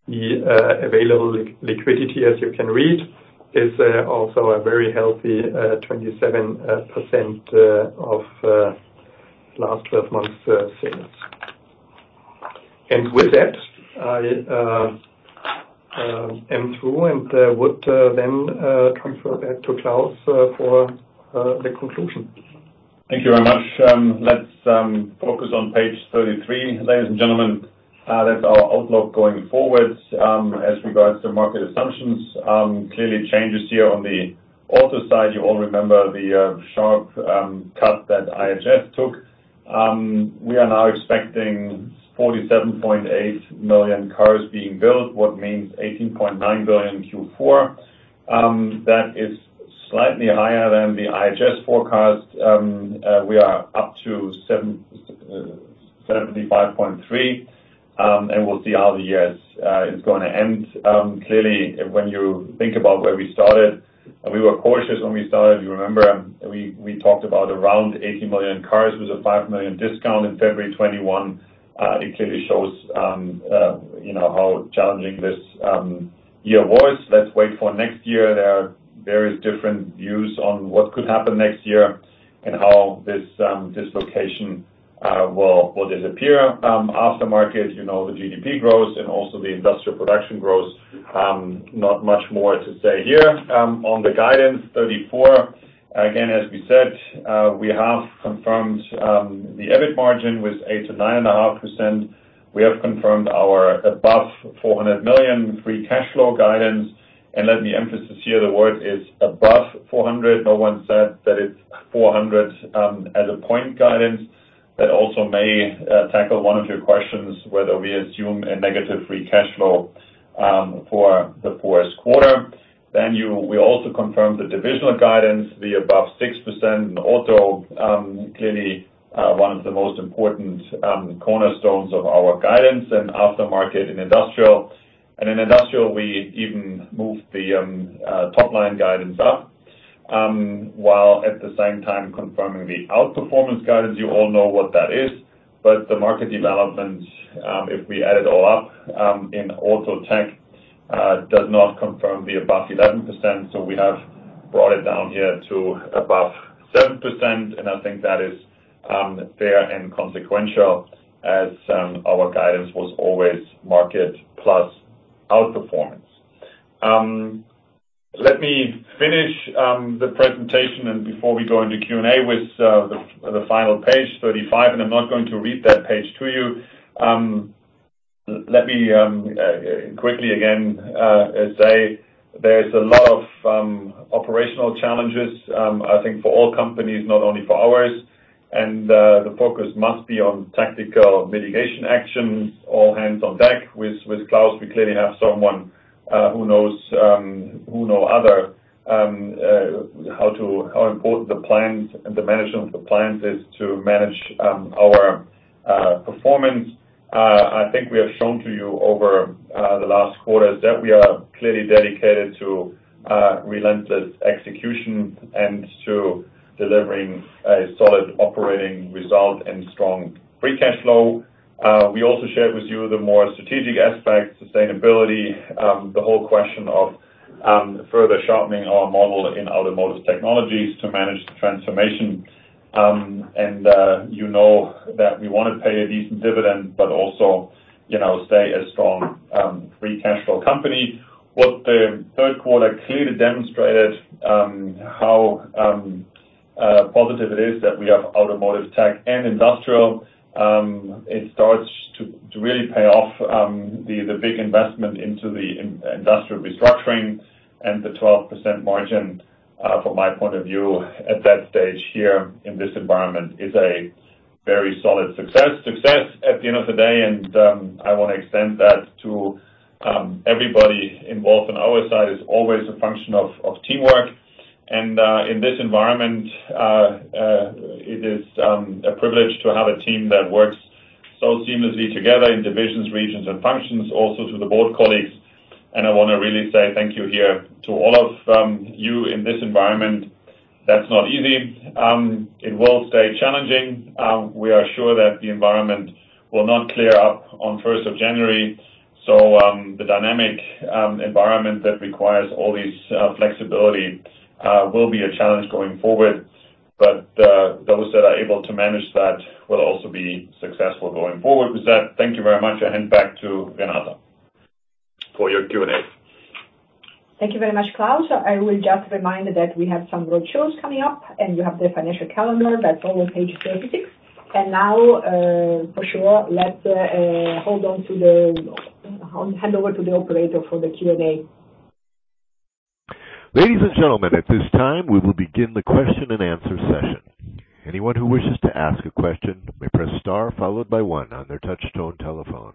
The available liquidity, as you can read, is also a very healthy 27% of last twelve months sales. With that, I am through and would then transfer back to Klaus for the conclusion. Thank you very much. Let's focus on page 33. Ladies and gentlemen, that's our outlook going forward. As regards to market assumptions, clearly changes here on the auto side. You all remember the sharp cut that IHS took. We are now expecting 47.8 million cars being built, which means 18.9 million Q4. That is slightly higher than the IHS forecast. We are up to 75.3, and we'll see how the year is gonna end. Clearly, when you think about where we started, we were cautious when we started. You remember, we talked about around 80 million cars with a 5 million discount in February 2021. It clearly shows, you know, how challenging this year was. Let's wait for next year. There are various different views on what could happen next year and how this dislocation will disappear. Aftermarket, you know, the GDP grows and also the industrial production grows. Not much more to say here. On the guidance, 34, again, as we said, we have confirmed the EBIT margin with 8%-9.5%. We have confirmed our above 400 million free cash flow guidance. Let me emphasize here the word is above 400 million. No one said that it's 400 million as a point guidance. That also may tackle one of your questions, whether we assume a negative free cash flow for the fourth quarter. We also confirmed the divisional guidance, the above 6% in auto, clearly, one of the most important cornerstones of our guidance and aftermarket in industrial. In industrial, we even moved the top-line guidance up, while at the same time confirming the outperformance guidance. You all know what that is. The market development, if we add it all up, in auto tech, does not confirm the above 11%. We have brought it down here to above 7%, and I think that is fair and consequential as our guidance was always market plus outperformance. Let me finish the presentation and before we go into Q&A with the final page 35, and I'm not going to read that page to you. Let me quickly again say there's a lot of operational challenges, I think for all companies, not only for ours. The focus must be on tactical mitigation actions, all hands on deck. With Klaus, we clearly have someone who knows how important the plans and the management of the plans is to manage our performance. I think we have shown to you over the last quarters that we are clearly dedicated to relentless execution and to delivering a solid operating result and strong free cash flow. We also shared with you the more strategic aspects, sustainability, the whole question of further sharpening our model in automotive technologies to manage the transformation. You know that we wanna pay a decent dividend, but also, you know, stay a strong free cash flow company. What the third quarter clearly demonstrated how positive it is that we have Automotive Tech and Industrial. It starts to really pay off the big investment into the industrial restructuring and the 12% margin from my point of view at that stage here in this environment is a very solid success. Success at the end of the day. I wanna extend that to everybody involved on our side. It's always a function of teamwork and in this environment it is a privilege to have a team that works so seamlessly together in divisions, regions and functions, also to the board colleagues. I wanna really say thank you here to all of you in this environment. That's not easy. It will stay challenging. We are sure that the environment will not clear up on first of January. The dynamic environment that requires all this flexibility will be a challenge going forward, but those that are able to manage that will also be successful going forward. With that, thank you very much, I hand back to Renata for your Q&A. Thank you very much, Klaus. I will just remind that we have some roadshows coming up, and you have the financial calendar that's on page 36. Now, for sure, let's hand over to the operator for the Q&A. Ladies and gentlemen, at this time, we will begin the question and answer session. Anyone who wishes to ask a question may press star followed by one on their touch tone telephone.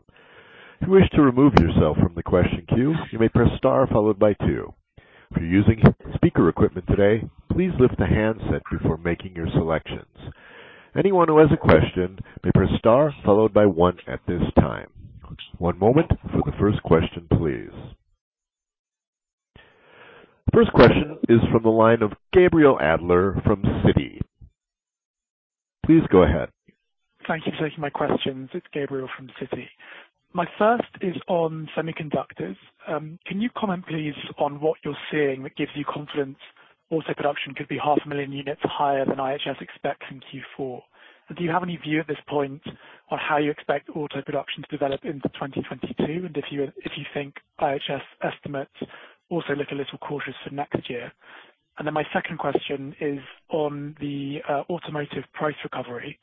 If you wish to remove yourself from the question queue, you may press star followed by two. If you're using speaker equipment today, please lift the handset before making your selections. Anyone who has a question may press star followed by one at this time. One moment for the first question, please. First question is from the line of Gabriel Adler from Citi. Please go ahead. Thank you for taking my questions. It's Gabriel from Citi. My first is on semiconductors. Can you comment, please, on what you're seeing that gives you confidence auto production could be half a million units higher than IHS expects in Q4? Do you have any view at this point on how you expect auto production to develop into 2022, and if you think IHS estimates also look a little cautious for next year? And then my second question is on the automotive price recovery.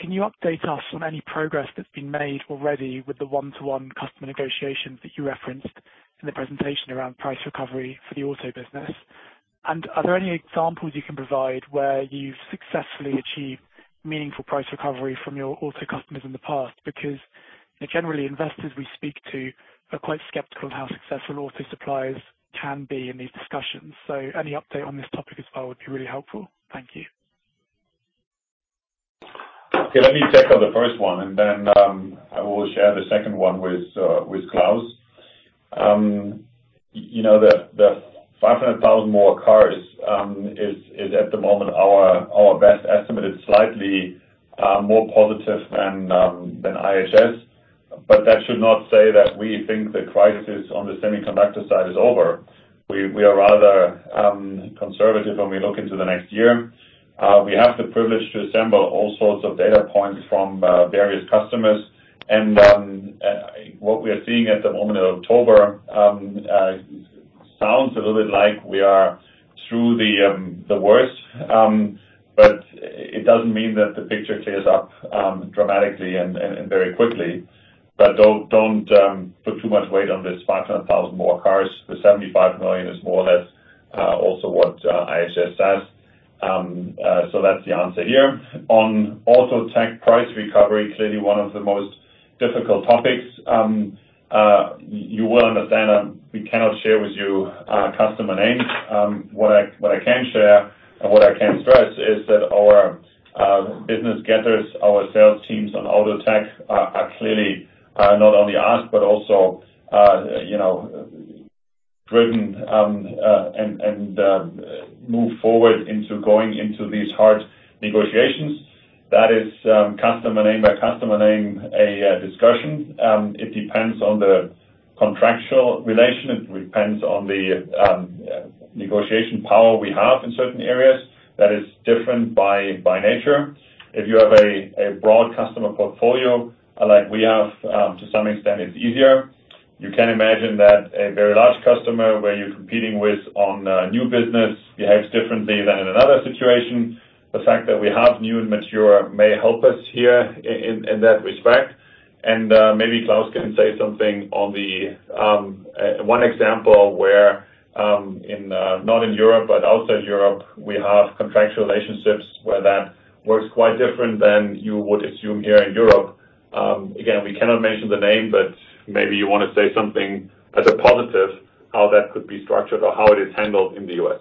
Can you update us on any progress that's been made already with the one-to-one customer negotiations that you referenced in the presentation around price recovery for the auto business? And are there any examples you can provide where you've successfully achieved meaningful price recovery from your auto customers in the past? Because generally investors we speak to are quite skeptical of how successful auto suppliers can be in these discussions. Any update on this topic as well would be really helpful. Thank you. Okay, let me take on the first one, and then I will share the second one with Klaus. You know, the 500,000 more cars is at the moment our best estimate. It's slightly more positive than IHS, but that should not say that we think the crisis on the semiconductor side is over. We are rather conservative when we look into the next year. We have the privilege to assemble all sorts of data points from various customers. What we are seeing at the moment in October sounds a little bit like we are through the worst, but it doesn't mean that the picture clears up dramatically and very quickly. Don't put too much weight on this 500,000 more cars. The 75 million is more or less also what IHS says. That's the answer here. On auto tech price recovery, clearly one of the most difficult topics. You will understand that we cannot share with you customer names. What I can share and what I can stress is that our business gathers our sales teams on auto tech are clearly not only us, but also you know driven and move forward into going into these hard negotiations. That is customer name by customer name a discussion. It depends on the contractual relation. It depends on the negotiation power we have in certain areas. That is different by nature. If you have a broad customer portfolio like we have, to some extent it's easier. You can imagine that a very large customer where you're competing with on new business behaves differently than in another situation. The fact that we have new and mature may help us here in that respect. Maybe Klaus can say something on the one example where, in, not in Europe, but outside Europe, we have contractual relationships where that works quite different than you would assume here in Europe. Again, we cannot mention the name, but maybe you wanna say something as a positive, how that could be structured or how it is handled in the US.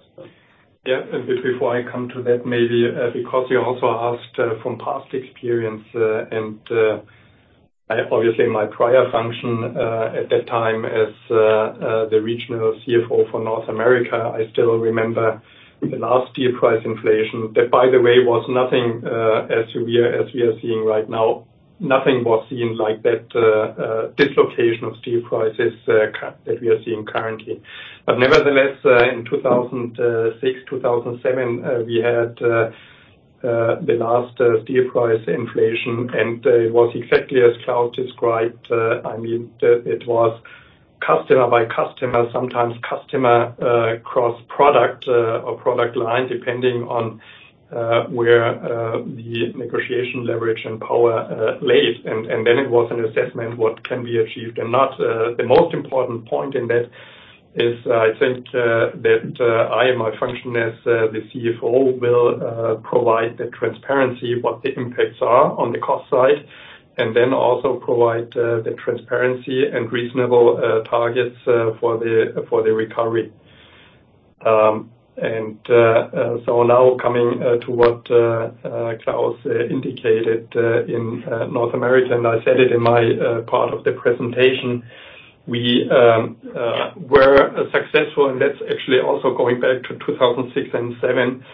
Yeah. A bit before I come to that, maybe, because you also asked from past experience, and I obviously in my prior function at that time as the Regional CFO for North America, I still remember the last steel price inflation. That, by the way, was nothing as we are seeing right now. Nothing was seen like that, dislocation of steel prices that we are seeing currently. Nevertheless, in 2006, 2007, we had the last steel price inflation, and it was exactly as Klaus described. I mean, it was customer by customer, sometimes customer cross product or product line, depending on where the negotiation leverage and power lies. Then it was an assessment what can be achieved and not. The most important point in that is, I think, that I in my function as the CFO will provide the transparency what the impacts are on the cost side, and then also provide the transparency and reasonable targets for the recovery. Now coming to what Klaus indicated in North America, and I said it in my part of the presentation, we were successful. That's actually also going back to 2006 and 2007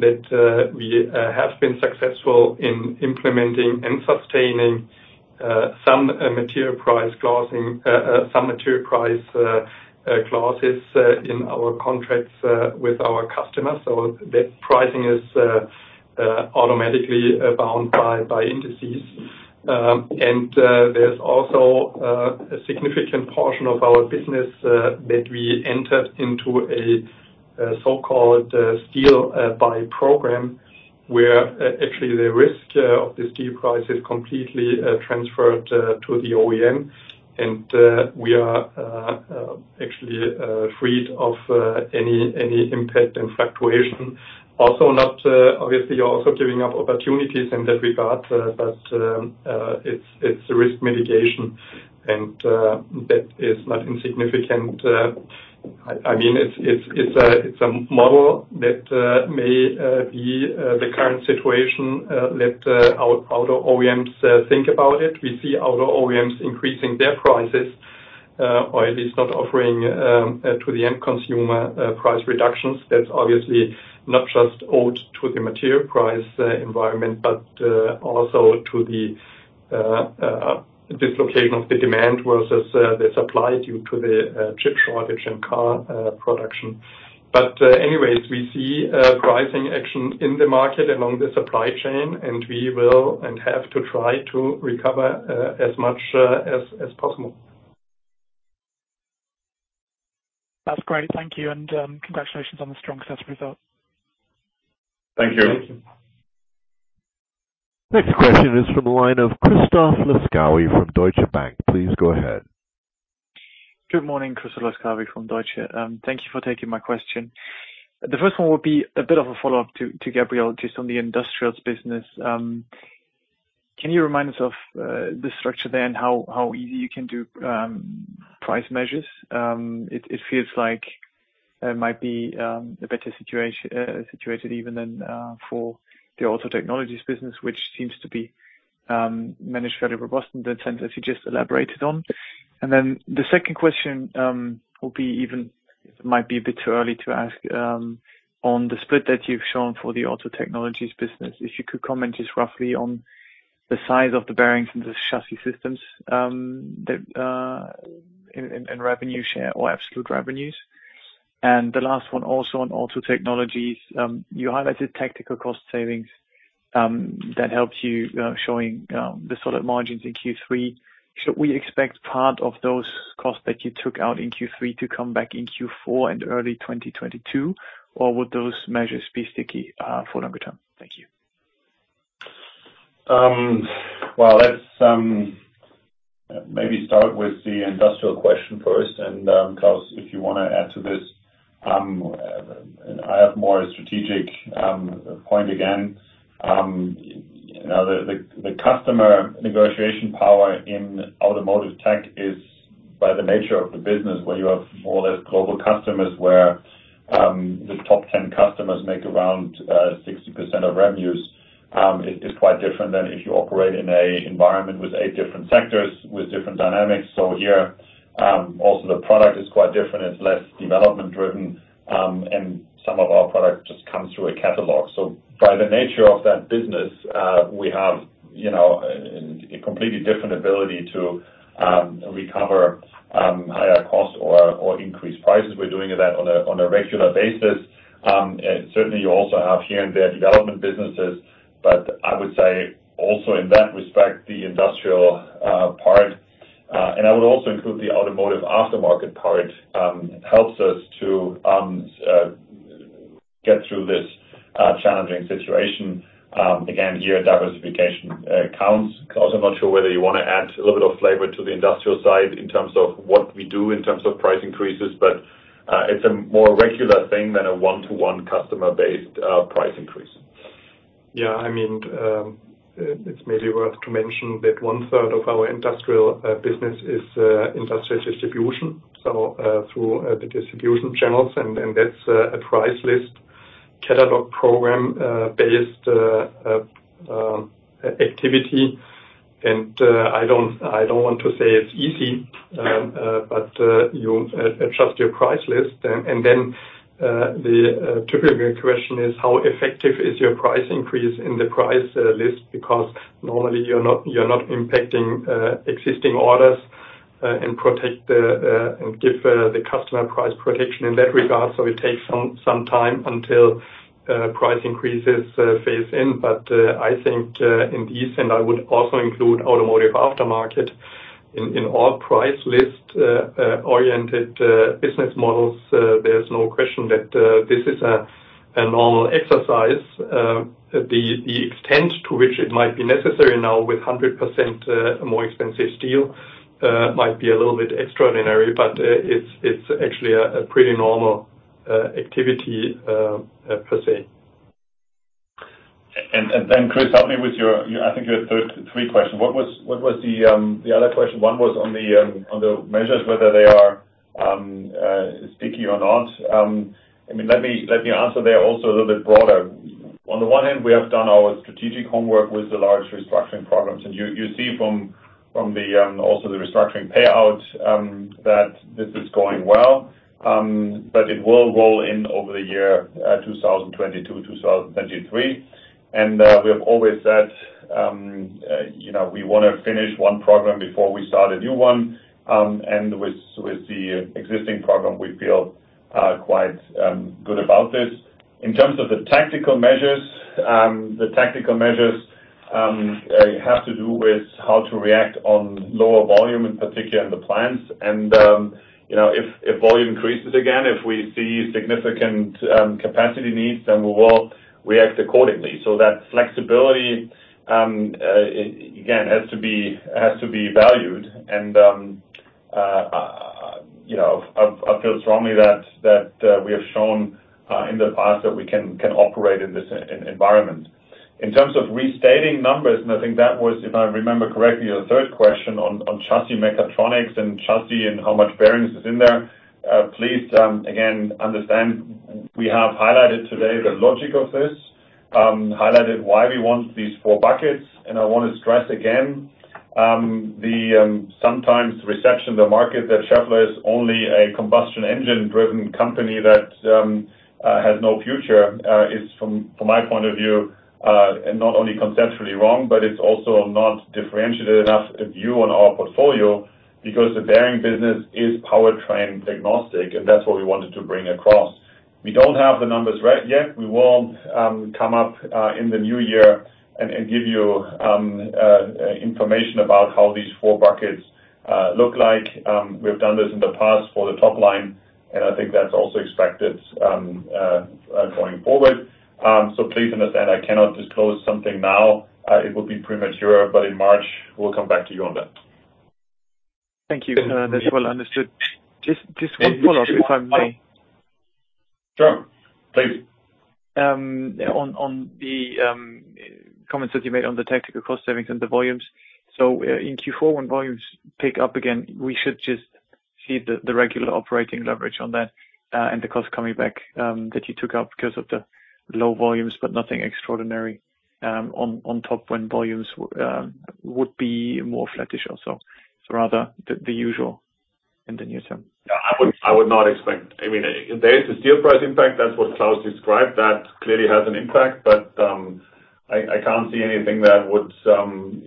that we have been successful in implementing and sustaining some material price clauses in our contracts with our customers. That pricing is automatically bound by indices. There's also a significant portion of our business that we entered into a so-called steel buy program, where actually the risk of the steel price is completely transferred to the OEM. We are actually freed of any impact and fluctuation. Also, obviously, you're also giving up opportunities in that regard, but it's a risk mitigation, and that is not insignificant. I mean, it's a model that may be the current situation let our auto OEMs think about it. We see auto OEMs increasing their prices or at least not offering to the end consumer price reductions. That's obviously not just owed to the material price environment, but also to the dislocation of the demand versus the supply due to the chip shortage and car production. Anyways, we see pricing action in the market along the supply chain, and we will and have to try to recover as much as possible. That's great. Thank you. Congratulations on the strong success result. Thank you. Thank you. Next question is from the line of Christoph Laskawi from Deutsche Bank. Please go ahead. Good morning, Christoph Laskawi from Deutsche. Thank you for taking my question. The first one would be a bit of a follow-up to Gabriel, just on the industrials business. Can you remind us of the structure there and how easy you can do price measures? It feels like it might be a better situated even than for the Auto Technologies business, which seems to be managed fairly robust in the sense that you just elaborated on. The second question will be even might be a bit too early to ask on the split that you've shown for the Auto Technologies business. If you could comment just roughly on the size of the bearings and the chassis systems in revenue share or absolute revenues. The last one, also on Auto Technologies, you highlighted tactical cost savings that help you show the solid margins in Q3. Should we expect part of those costs that you took out in Q3 to come back in Q4 and early 2022, or would those measures be sticky for longer term? Thank you. Well, let's maybe start with the industrial question first. Klaus, if you wanna add to this. I have more strategic point again. You know, the customer negotiation power in automotive tech is, by the nature of the business, where you have more or less global customers, where the top 10 customers make around 60% of revenues, is quite different than if you operate in an environment with eight different sectors with different dynamics. Here, also the product is quite different. It's less development driven, and some of our product just comes through a catalog. By the nature of that business, we have, you know, a completely different ability to recover higher costs or increase prices. We're doing that on a regular basis. Certainly you also have here and there development businesses. I would say also in that respect, the industrial part and I would also include the automotive aftermarket part helps us to get through this challenging situation. Again, here diversification counts. Klaus, I'm not sure whether you wanna add a little bit of flavor to the industrial side in terms of what we do in terms of price increases. It's a more regular thing than a one-to-one customer-based price increase. Yeah, I mean, it's maybe worth to mention that 1/3 of our industrial business is industrial distribution, so through the distribution channels, and that's a price list catalog program based on activity. I don't want to say it's easy, but you adjust your price list and then the typical question is how effective is your price increase in the price list? Because normally you're not impacting existing orders and protect and give the customer price protection in that regard. So it takes some time until price increases phase in. I think in the East and I would also include automotive aftermarket in all price list oriented business models there's no question that this is a normal exercise. The extent to which it might be necessary now with 100% more expensive steel might be a little bit extraordinary, but it's actually a pretty normal activity per se. Chris, help me with your, I think your third question. What was the other question? One was on the measures, whether they are sticky or not. I mean, let me answer there also a little bit broader. On the one hand, we have done our strategic homework with the large restructuring programs. You see from the also the restructuring payouts that this is going well. But it will roll in over the year 2022, 2023. We have always said, you know, we wanna finish one program before we start a new one. With the existing program, we feel quite good about this. In terms of the tactical measures, the tactical measures have to do with how to react on lower volume, in particular in the plants. You know, if volume increases again, if we see significant capacity needs, then we will react accordingly. That flexibility, again, has to be valued. You know, I feel strongly that we have shown in the past that we can operate in this environment. In terms of restating numbers, and I think that was, if I remember correctly, your third question on chassis mechatronics and chassis and how much bearings is in there. Please, again, understand we have highlighted today the logic of this, highlighted why we want these four buckets. I wanna stress again, the sometimes reception the market that Schaeffler is only a combustion engine-driven company that has no future is from my point of view not only conceptually wrong, but it's also not differentiated enough a view on our portfolio because the bearing business is powertrain agnostic, and that's what we wanted to bring across. We don't have the numbers right yet. We will come up in the new year and give you information about how these four buckets look like. We've done this in the past for the top line, and I think that's also expected going forward. Please understand, I cannot disclose something now. It will be premature, but in March, we'll come back to you on that. Thank you. That's well understood. Just one follow-up, if I may. Sure. Please. On the comments that you made on the tactical cost savings and the volumes. In Q4, when volumes pick up again, we should just see the regular operating leverage on that, and the cost coming back that you took out because of the low volumes, but nothing extraordinary on top when volumes would be more flattish also, rather the usual in the near term. Yeah, I would not expect. I mean, there is a steel price impact. That's what Claus described. That clearly has an impact, but I can't see anything that would,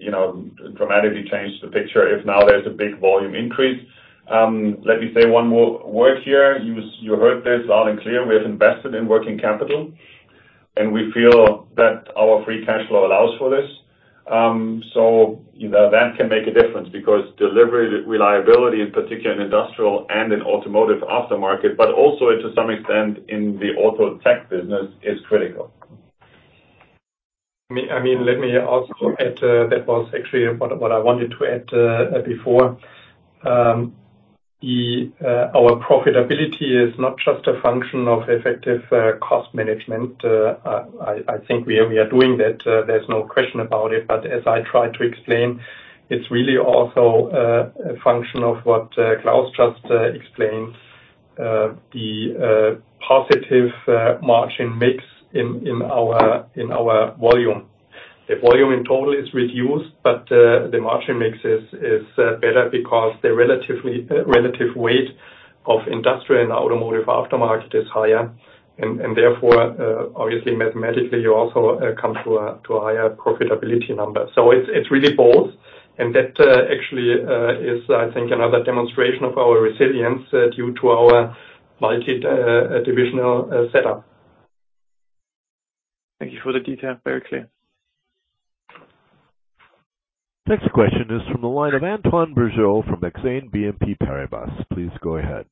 you know, dramatically change the picture if now there's a big volume increase. Let me say one more word here. You heard this loud and clear. We have invested in working capital, and we feel that our free cash flow allows for this. You know, that can make a difference because delivery reliability, in particular in industrial and in automotive aftermarket, but also to some extent in the auto tech business, is critical. I mean, let me also add, that was actually what I wanted to add before. Our profitability is not just a function of effective cost management. I think we are doing that. There's no question about it. But as I tried to explain, it's really also a function of what Claus just explained, the positive margin mix in our volume. The volume in total is reduced, but the margin mix is better because the relative weight of industrial and automotive aftermarket is higher and therefore, obviously mathematically, you also come to a higher profitability number. It's really both. That actually is, I think, another demonstration of our resilience due to our multi-divisional setup. Thank you for the detail. Very clear. Next question is from the line of Antoine Bruguier from Exane BNP Paribas. Please go ahead.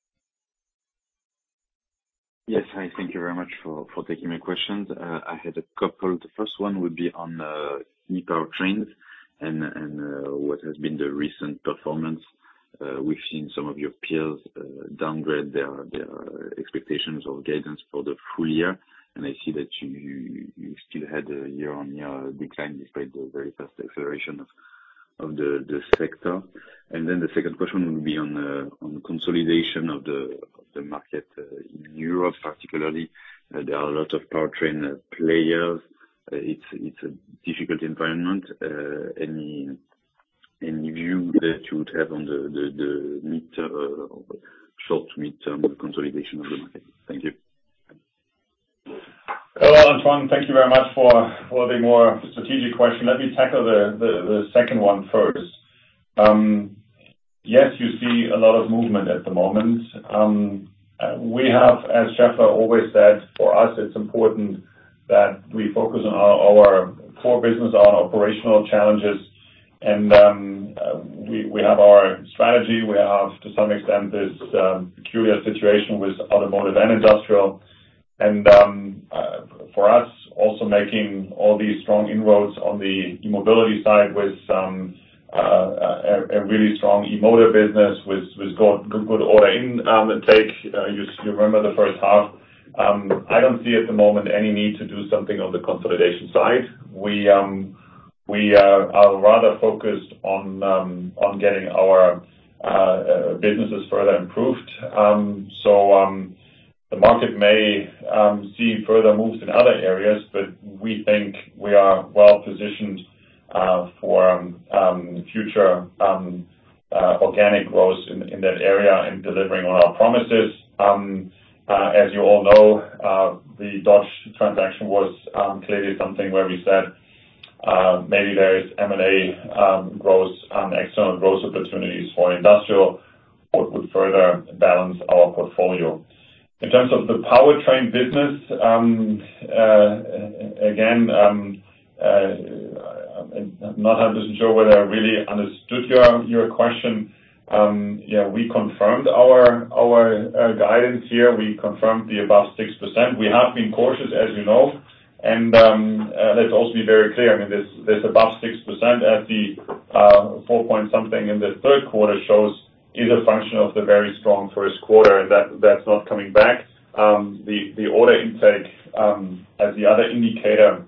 Yes, hi. Thank you very much for taking my questions. I had a couple. The first one would be on the e-powertrains and what has been the recent performance. We've seen some of your peers downgrade their expectations or guidance for the full year, and I see that you still had a year-on-year decline despite the very fast acceleration of the sector. The second question would be on the consolidation of the market. In Europe particularly, there are a lot of powertrain players. It's a difficult environment. Any view that you would have on the mid-term or short to mid-term consolidation of the market? Thank you. Hello, Antoine, thank you very much for the more strategic question. Let me tackle the second one first. Yes, you see a lot of movement at the moment. As Schaeffler always said, for us, it's important that we focus on our core business, on operational challenges, and we have our strategy. We have, to some extent, this peculiar situation with automotive and industrial. For us also making all these strong inroads on the mobility side with a really strong e-motor business with good order intake, you remember the first half. I don't see at the moment any need to do something on the consolidation side. We are rather focused on getting our businesses further improved. The market may see further moves in other areas, but we think we are well-positioned for future organic growth in that area and delivering on our promises. As you all know, the Dodge transaction was clearly something where we said, maybe there is M&A growth, external growth opportunities for industrial what would further balance our portfolio. In terms of the powertrain business, again, I'm not 100% sure whether I really understood your question. We confirmed our guidance here. We confirmed the above 6%. We have been cautious, as you know, and let's also be very clear. I mean, this above 6% at the 4.something% in the third quarter shows it is a function of the very strong first quarter. That's not coming back. The order intake, as the other indicator,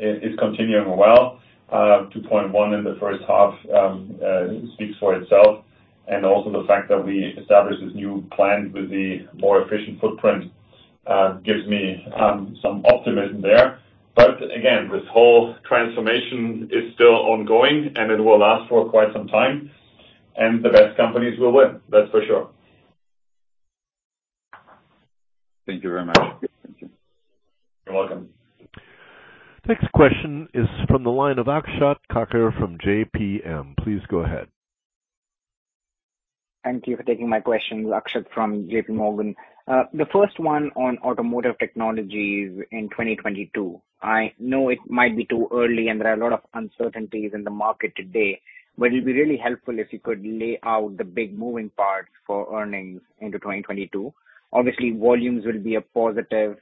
is continuing well. 2.1 in the first half speaks for itself. Also the fact that we established this new plan with the more efficient footprint gives me some optimism there. Again, this whole transformation is still ongoing, and it will last for quite some time, and the best companies will win, that's for sure. Thank you very much. You're welcome. Next question is from the line of Akshat Kakar from JPMorgan. Please go ahead. Thank you for taking my question. Akshat from JPMorgan. The first one on automotive technologies in 2022. I know it might be too early, and there are a lot of uncertainties in the market today, but it'd be really helpful if you could lay out the big moving parts for earnings into 2022. Obviously, volumes will be a positive,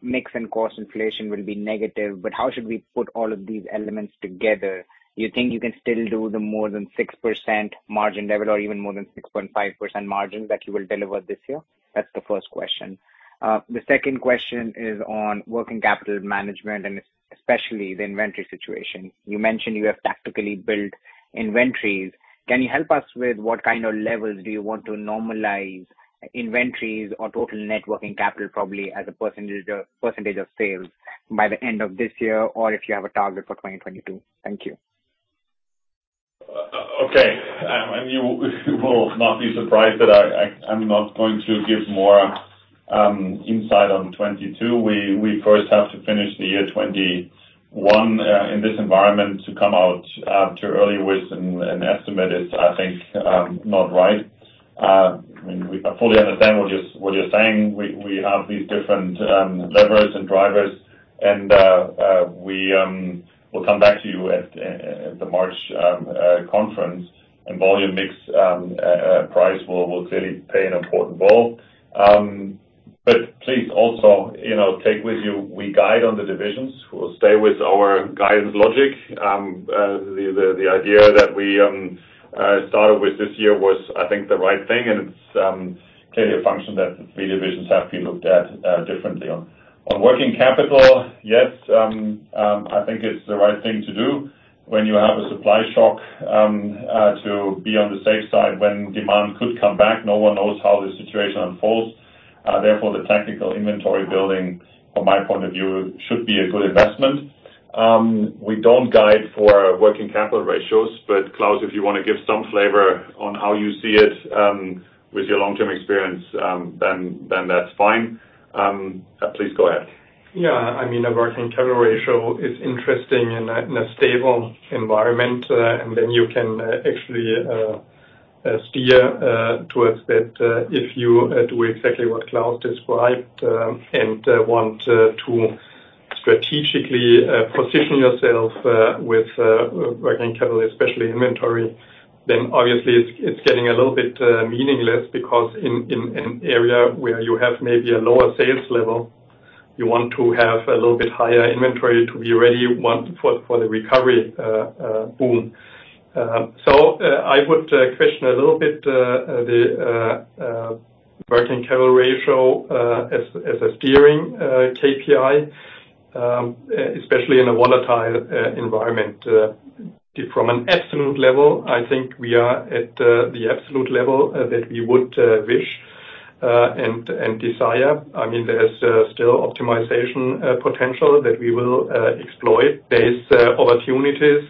mix and cost inflation will be negative, but how should we put all of these elements together? Do you think you can still do the more than 6% margin level or even more than 6.5% margin that you will deliver this year? That's the first question. The second question is on working capital management and especially the inventory situation. You mentioned you have tactically built inventories. Can you help us with what kind of levels do you want to normalize inventories or total net working capital probably as a percentage of sales by the end of this year, or if you have a target for 2022? Thank you. Okay. You will not be surprised that I'm not going to give more insight on 2022. We first have to finish the year 2021 in this environment. To come out too early with an estimate is, I think, not right. I mean, I fully understand what you're saying. We have these different levers and drivers, and we'll come back to you at the March conference. Volume mix, price will clearly play an important role. Please also, you know, take with you, we guide on the divisions. We'll stay with our guidance logic. The idea that we started with this year was, I think, the right thing, and it's clearly a function that the three divisions have to be looked at differently. On working capital, yes, I think it's the right thing to do when you have a supply shock to be on the safe side when demand could come back. No one knows how the situation unfolds. Therefore, the tactical inventory building, from my point of view, should be a good investment. We don't guide for working capital ratios, but Klaus, if you wanna give some flavor on how you see it, with your long-term experience, then that's fine. Please go ahead. Yeah. I mean, a working capital ratio is interesting in a stable environment, and then you can actually steer towards that if you do exactly what Klaus described, and want to Strategically, position yourself with working capital, especially inventory, then obviously it's getting a little bit meaningless because in area where you have maybe a lower sales level, you want to have a little bit higher inventory to be ready for the recovery boom. I would question a little bit the working capital ratio as a steering KPI, especially in a volatile environment. From an absolute level, I think we are at the absolute level that we would wish and desire. I mean, there's still optimization potential that we will exploit. There is opportunities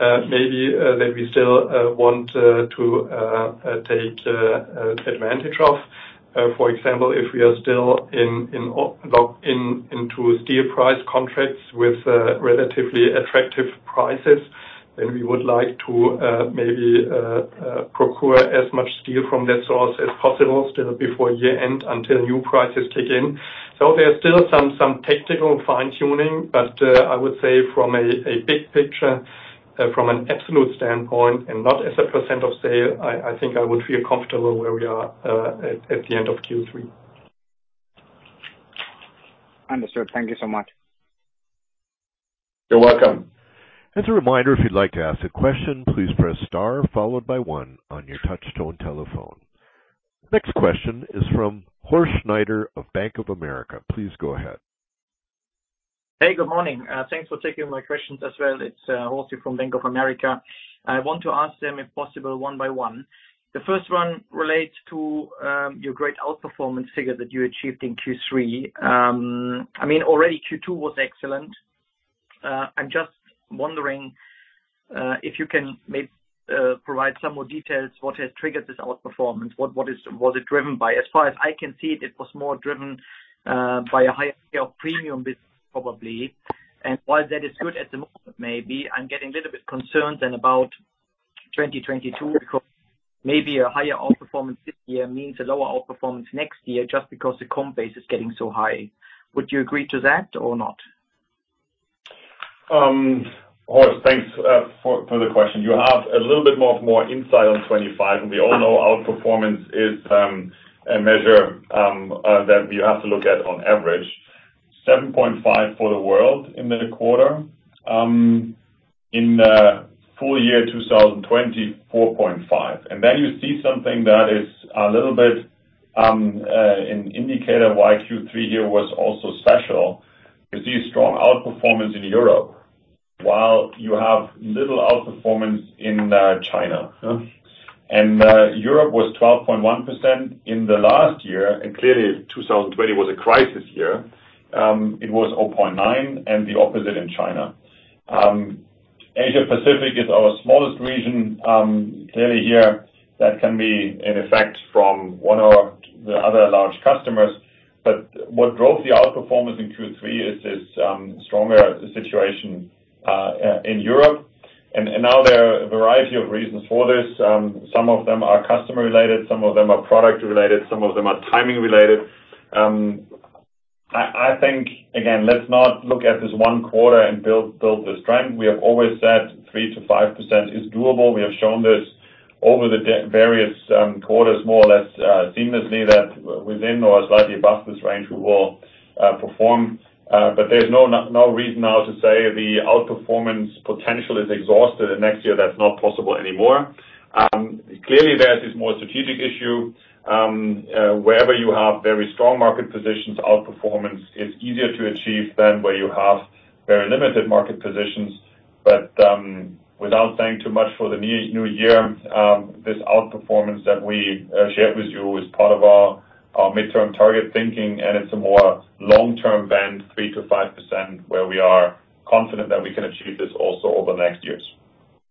maybe that we still want to take advantage of. For example, if we are still into steel price contracts with relatively attractive prices, then we would like to procure as much steel from that source as possible still before year-end until new prices kick in. There are still some technical fine-tuning, but I would say from a big picture, from an absolute standpoint and not as a percent of sale, I think I would feel comfortable where we are at the end of Q3. Understood. Thank you so much. You're welcome. As a reminder, if you'd like to ask a question, please press star followed by one on your touch tone telephone. Next question is from Horst Schneider of Bank of America. Please go ahead. Hey, good morning. Thanks for taking my questions as well. It's Horst from Bank of America. I want to ask them, if possible, one by one. The first one relates to your great outperformance figure that you achieved in Q3. I mean, already Q2 was excellent. I'm just wondering if you can provide some more details what has triggered this outperformance. Was it driven by. As far as I can see, it was more driven by a higher scale of premium business probably. While that is good at the moment, maybe I'm getting a little bit concerned then about 2022, because maybe a higher outperformance this year means a lower outperformance next year, just because the comp base is getting so high. Would you agree to that or not? Horst, thanks for the question. You have a little bit more insight on 25, and we all know outperformance is a measure that you have to look at on average. 7.5% for the world in the quarter. In the full year 2020, 4.5%. Then you see something that is a little bit an indicator why Q3 here was also special. You see strong outperformance in Europe while you have little outperformance in China. Europe was 12.1% in the last year, and clearly 2020 was a crisis year. It was 0.9% and the opposite in China. Asia Pacific is our smallest region, clearly here that can be an effect from one of the other large customers. What drove the outperformance in Q3 is this stronger situation in Europe. Now there are a variety of reasons for this. Some of them are customer related, some of them are product related, some of them are timing related. I think, again, let's not look at this one quarter and build the strength. We have always said 3%-5% is doable. We have shown this over the various quarters more or less seamlessly that within or slightly above this range we will perform. There's no reason now to say the outperformance potential is exhausted and next year that's not possible anymore. Clearly there is this more strategic issue, wherever you have very strong market positions, outperformance is easier to achieve than where you have very limited market positions. Without saying too much for the new year, this outperformance that we shared with you is part of our midterm target thinking, and it's a more long-term band, 3%-5%, where we are confident that we can achieve this also over the next years.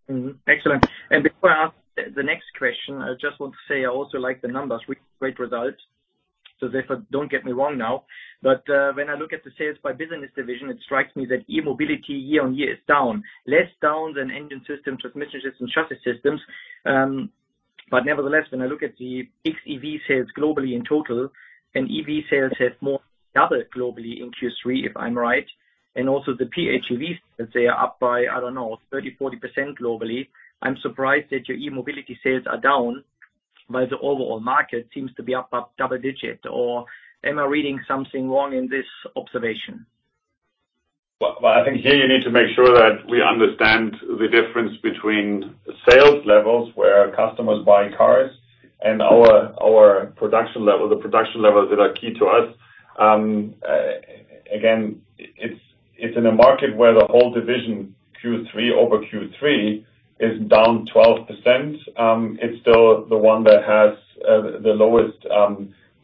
Mm-hmm. Excellent. Before I ask the next question, I just want to say I also like the numbers. We have great results. Don't get me wrong now, but when I look at the sales by business division, it strikes me that e-mobility year-on-year is down. Less down than engine systems, transmission systems, chassis systems, but nevertheless, when I look at the XEV sales globally in total, and EV sales have more than doubled globally in Q3, if I'm right, and also the PHEVs, let's say are up by, I don't know, 30, 40% globally. I'm surprised that your e-mobility sales are down, but the overall market seems to be up double-digit or am I reading something wrong in this observation? Well, I think here you need to make sure that we understand the difference between sales levels, where our customers buy cars and our production level, the production levels that are key to us. Again, it's in a market where the whole division Q3 over Q3 is down 12%. It's still the one that has the lowest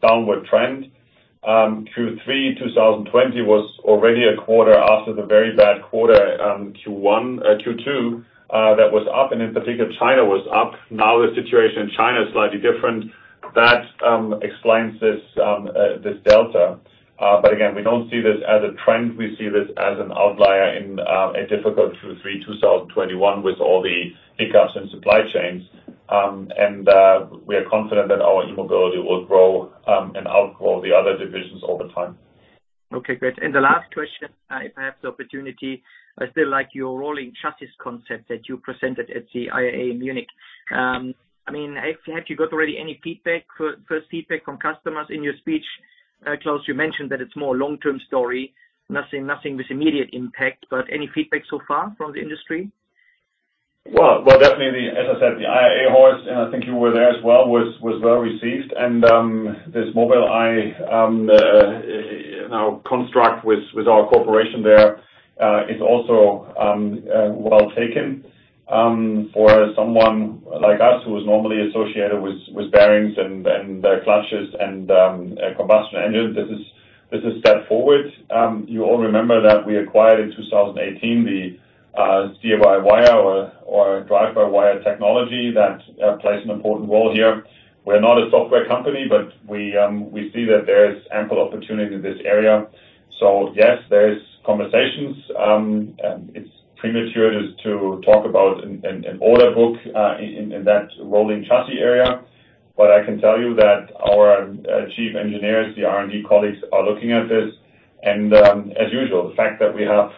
downward trend. Q3 2020 was already a quarter after the very bad quarter, Q1, Q2, that was up, and in particular, China was up. Now the situation in China is slightly different. That explains this delta. Again, we don't see this as a trend. We see this as an outlier in a difficult Q3 2021 with all the hiccups in supply chains. We are confident that our e-mobility will grow and outgrow the other divisions over time. Okay, great. The last question, if I have the opportunity, I still like your Rolling Chassis concept that you presented at the IAA in Munich. I mean, have you got already any first feedback from customers? In your speech, Claus, you mentioned that it's more long-term story, nothing with immediate impact, but any feedback so far from the industry? Well, definitely the IAA show, as I said, and I think you were there as well, was well received. This Mobileye, you know, construct with our cooperation there is also well taken. For someone like us who is normally associated with bearings and clutches and combustion engines, this is a step forward. You all remember that we acquired in 2018 the drive-by-wire technology that plays an important role here. We're not a software company, but we see that there is ample opportunity in this area. Yes, there is conversations. It's premature to talk about an order book in that Rolling Chassis area. I can tell you that our chief engineers, the R&D colleagues are looking at this. As usual, the fact that we have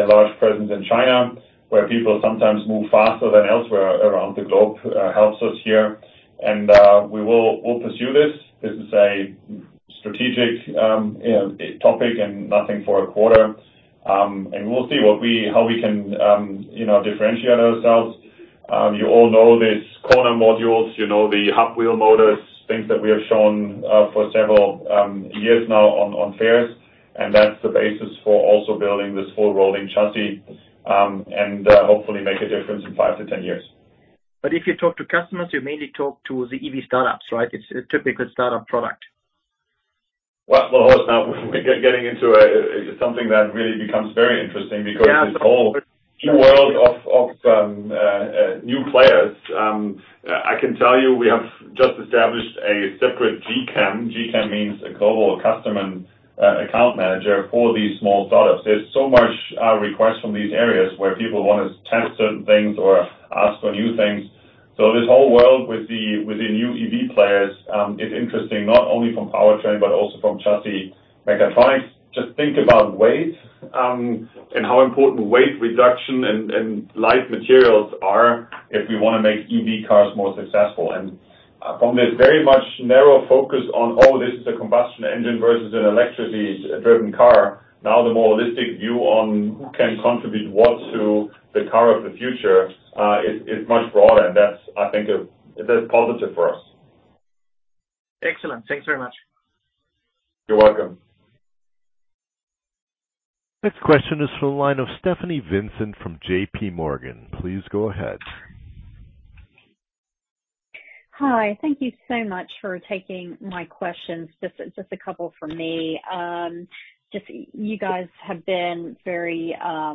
a large presence in China, where people sometimes move faster than elsewhere around the globe, helps us here. We'll pursue this. This is a strategic, you know, topic and nothing for a quarter. We'll see how we can, you know, differentiate ourselves. You all know these corner modules, you know the wheel hub motors, things that we have shown for several years now on fairs, and that's the basis for also building this whole Rolling Chassis, and hopefully make a difference in 5-10 years. If you talk to customers, you mainly talk to the EV startups, right? It's a typical startup product. Well, well, Horst, now we're getting into something that really becomes very interesting. Yeah. Because this whole new world of new players, I can tell you, we have just established a separate GCAM. GCAM means a Global Customer and Account Manager for these small startups. There's so many requests from these areas where people wanna test certain things or ask for new things. This whole world with the new EV players is interesting not only from powertrain, but also from chassis mechatronics. Just think about weight and how important weight reduction and light materials are if we wanna make EV cars more successful. From this very much narrow focus on, oh, this is a combustion engine versus an electricity-driven car, now the more holistic view on who can contribute what to the car of the future is much broader, and that's, I think, that is positive for us. Excellent. Thanks very much. You're welcome. Next question is from the line of Stephanie Vincent from JPMorgan. Please go ahead. Hi. Thank you so much for taking my questions. Just a couple from me. Just you guys have been very, I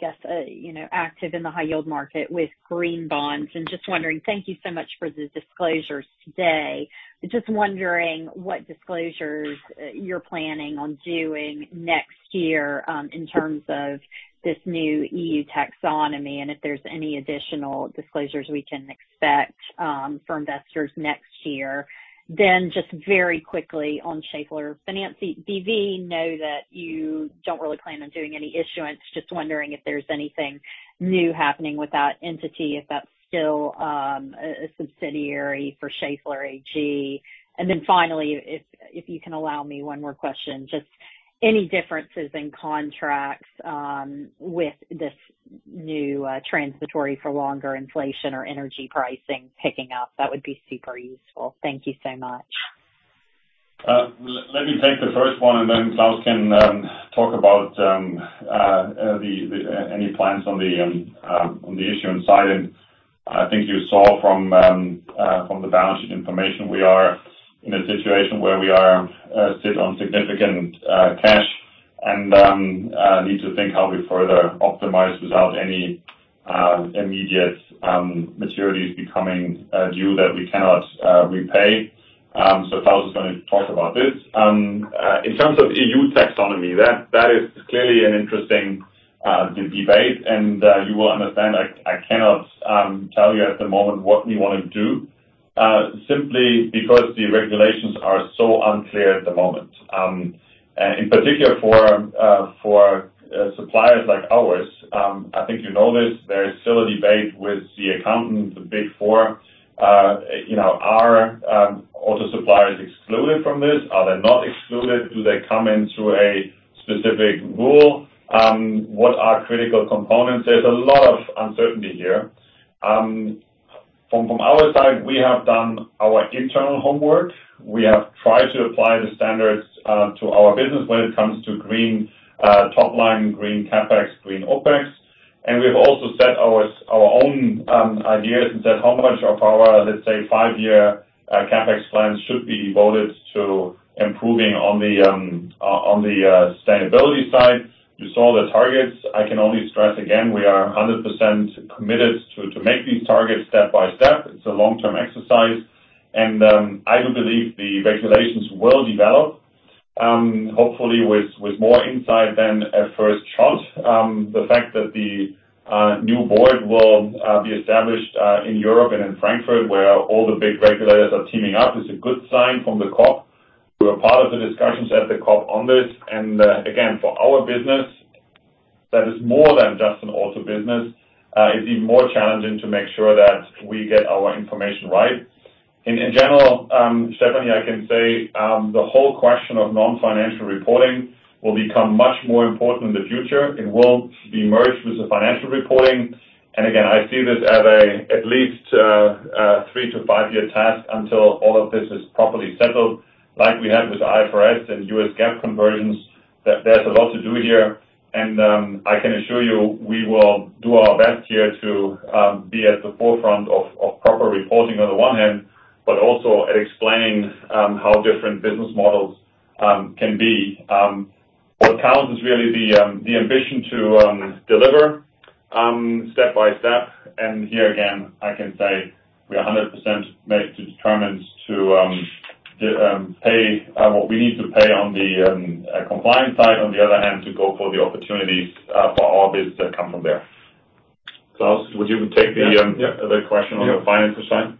guess, you know, active in the high yield market with green bonds. Thank you so much for the disclosures today. Just wondering what disclosures you're planning on doing next year, in terms of this new EU taxonomy, and if there's any additional disclosures we can expect for investors next year. Then just very quickly on Schaeffler Finance B.V., I know that you don't really plan on doing any issuance. Just wondering if there's anything new happening with that entity, if that's still a subsidiary for Schaeffler AG. Then finally, if you can allow me one more question, just any differences in contracts, with this new, transitory or longer inflation or energy pricing picking up? That would be super useful. Thank you so much. Let me take the first one, and then Claus can talk about any plans on the issuance side. I think you saw from the balance sheet information, we are in a situation where we are sitting on significant cash and need to think how we further optimize without any immediate maturities becoming due that we cannot repay. Claus is gonna talk about this. In terms of EU Taxonomy, that is clearly an interesting debate. You will understand, I cannot tell you at the moment what we wanna do simply because the regulations are so unclear at the moment. In particular for suppliers like ours, I think you know this, there is still a debate with the accountants, the Big Four. You know, are auto suppliers excluded from this? Are they not excluded? Do they come into a specific rule? What are critical components? There's a lot of uncertainty here. From our side, we have done our internal homework. We have tried to apply the standards to our business when it comes to green top line, green CapEx, green OpEx. We've also set our own ideas and said how much of our, let's say, five-year CapEx plans should be devoted to improving on the sustainability side. You saw the targets. I can only stress again, we are 100% committed to make these targets step by step. It's a long-term exercise. I do believe the regulations will develop. Hopefully with more insight than at first shot. The fact that the new board will be established in Europe and in Frankfurt, where all the big regulators are teaming up is a good sign from the COP. We're a part of the discussions at the COP on this. Again, for our business, that is more than just an auto business, is even more challenging to make sure that we get our information right. In general, Stephanie, I can say, the whole question of non-financial reporting will become much more important in the future. It will be merged with the financial reporting. I see this as at least a three to five-year task until all of this is properly settled, like we have with IFRS and U.S. GAAP conversions, that there's a lot to do here. I can assure you, we will do our best here to be at the forefront of proper reporting on the one hand, but also at explaining how different business models can be. What counts is really the ambition to deliver step by step. Here again, I can say we are 100% determined to pay what we need to pay on the compliance side, on the other hand, to go for the opportunities for all this to come from there. Klaus, would you take the Yeah. The question on the financial side?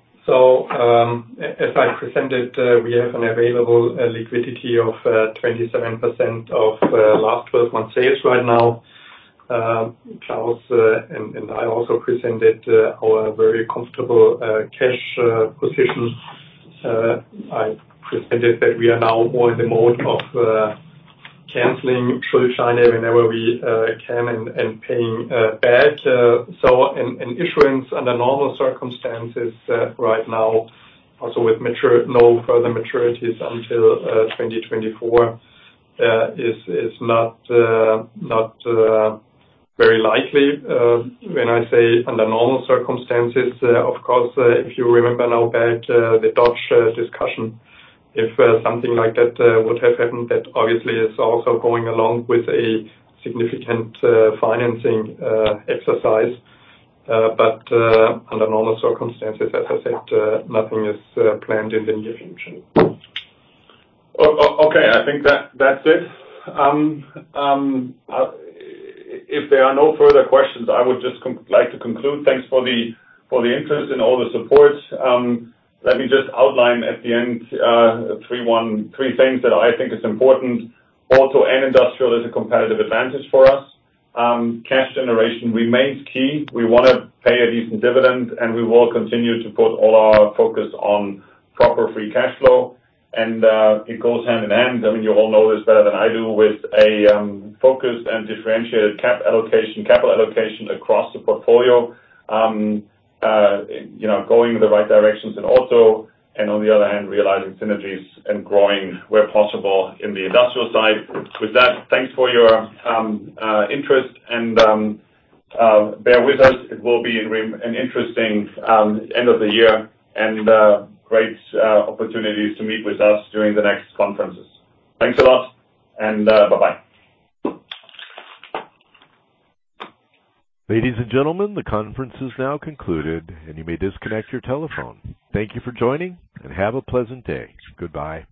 As I presented, we have an available liquidity of 27% of last twelve-month sales right now. Klaus, and I also presented our very comfortable cash position. I presented that we are now more in the mode of canceling Schuldscheine whenever we can and paying back. Issuance under normal circumstances right now, also with no further maturities until 2024, is not very likely. When I say under normal circumstances, of course, if you remember back the Dodge discussion. If something like that would have happened, that obviously is also going along with a significant financing exercise. Under normal circumstances, as I said, nothing is planned in the near future. Okay. I think that's it. If there are no further questions, I would just like to conclude. Thanks for the interest and all the support. Let me just outline at the end three things that I think is important. Auto and industrial is a competitive advantage for us. Cash generation remains key. We wanna pay a decent dividend, and we will continue to put all our focus on proper free cash flow. It goes hand in hand. I mean, you all know this better than I do with a focused and differentiated capital allocation across the portfolio. You know, going in the right directions in auto and on the other hand, realizing synergies and growing where possible in the industrial side. With that, thanks for your interest and bear with us. It will be an interesting end of the year and great opportunities to meet with us during the next conferences. Thanks a lot and bye-bye. Ladies and gentlemen, the conference is now concluded, and you may disconnect your telephone. Thank you for joining, and have a pleasant day. Goodbye.